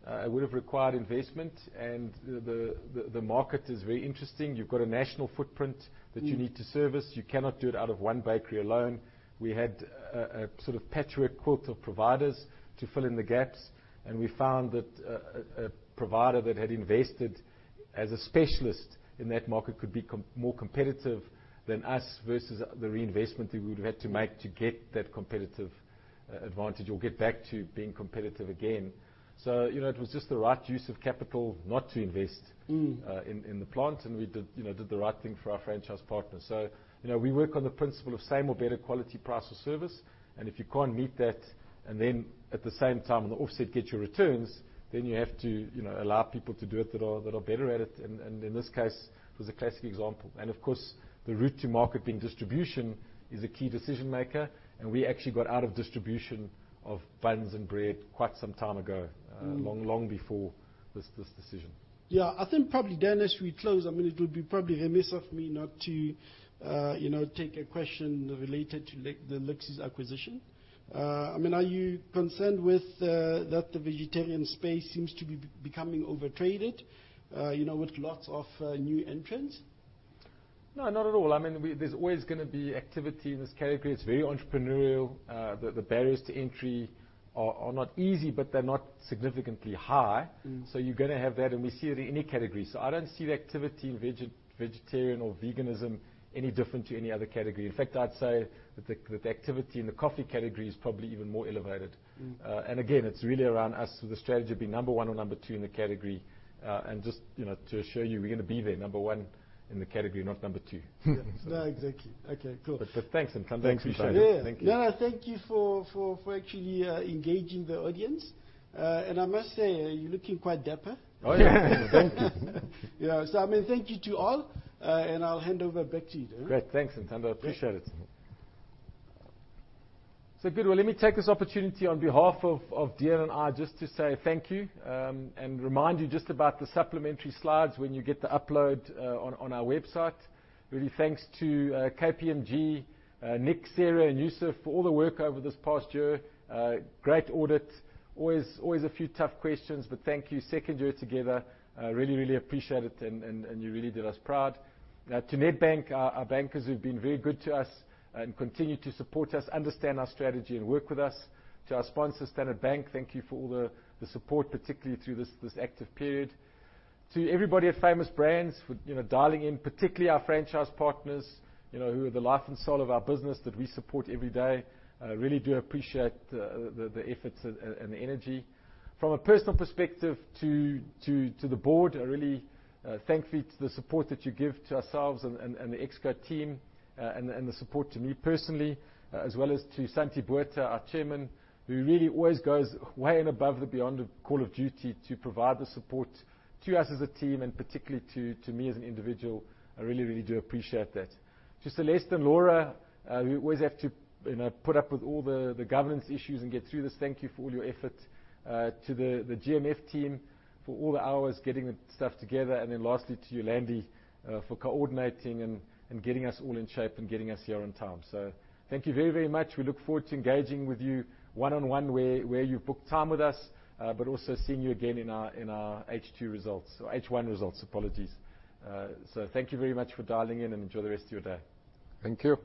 It would have required investment, and the market is very interesting. You've got a national footprint that you need to service. Mm. You cannot do it out of one bakery alone. We had a sort of patchwork quilt of providers to fill in the gaps, and we found that a provider that had invested as a specialist in that market could be more competitive than us, versus the reinvestment that we would have had to make to get that competitive advantage or get back to being competitive again. You know, it was just the right use of capital not to invest. Mm In the plant, we did the right thing for our franchise partners. You know, we work on the principle of same or better quality, price or service, and if you can't meet that, and then at the same time on the offset, get your returns, then you have to, you know, allow people to do it that are better at it. In this case, it was a classic example. Of course, the route to market, being distribution, is a key decision maker, and we actually got out of distribution of buns and bread quite some time ago. Mm. Long before this decision. Yeah. I think probably, Darren, as we close, I mean, it would be probably remiss of me not to, you know, take a question related to the Lexi's acquisition. I mean, are you concerned with that the vegetarian space seems to be becoming over traded, you know, with lots of new entrants? No, not at all. I mean, there's always gonna be activity in this category. It's very entrepreneurial. The barriers to entry are not easy, but they're not significantly high. Mm. You're gonna have that, and we see it in any category. I don't see the activity in vegetarian or veganism any different to any other category. In fact, I'd say that the activity in the coffee category is probably even more elevated. Mm. Again, it's really around us with the strategy being number one or number two in the category. Just, you know, to assure you, we're gonna be there, number one in the category, not number two. Yeah. No, exactly. Okay, cool. Thanks, Ntando, appreciate it. Thanks. Yeah. Thank you. No, thank you for actually engaging the audience. I must say, you're looking quite dapper. Oh, yeah. Thank you. Yeah. I mean, thank you to all, and I'll hand over back to you, Darren. Great. Thanks, Ntando. Appreciate it. Good. Well, let me take this opportunity on behalf of Deon and I just to say thank you and remind you just about the supplementary slides when you get the upload on our website. Really thanks to KPMG, Nick, Sarah, and Yusuf for all the work over this past year. Great audit. Always a few tough questions, but thank you. Second year together, really appreciate it, and you really did us proud. Now, to Nedbank, our bankers who've been very good to us and continue to support us, understand our strategy, and work with us. To our sponsors, Standard Bank, thank you for all the support, particularly through this active period. To everybody at Famous Brands for, you know, dialing in, particularly our franchise partners, you know, who are the life and soul of our business that we support every day, really do appreciate the efforts and the energy. From a personal perspective to the board, I really thank you for the support that you give to ourselves and the Exco team, and the support to me personally, as well as to Santie Botha, our Chairman, who really always goes way and above and beyond the call of duty to provide the support to us as a team and particularly to me as an individual. I really, really do appreciate that. To Celeste and Laura, who always have to, you know, put up with all the governance issues and get through this, thank you for all your effort. To the GMF team for all the hours getting the stuff together, and then lastly to you, Landi, for coordinating and getting us all in shape and getting us here on time. Thank you very, very much. We look forward to engaging with you one-on-one where you've booked time with us, but also seeing you again in our H2 results, or H1 results. Apologies. Thank you very much for dialing in, and enjoy the rest of your day. Thank you.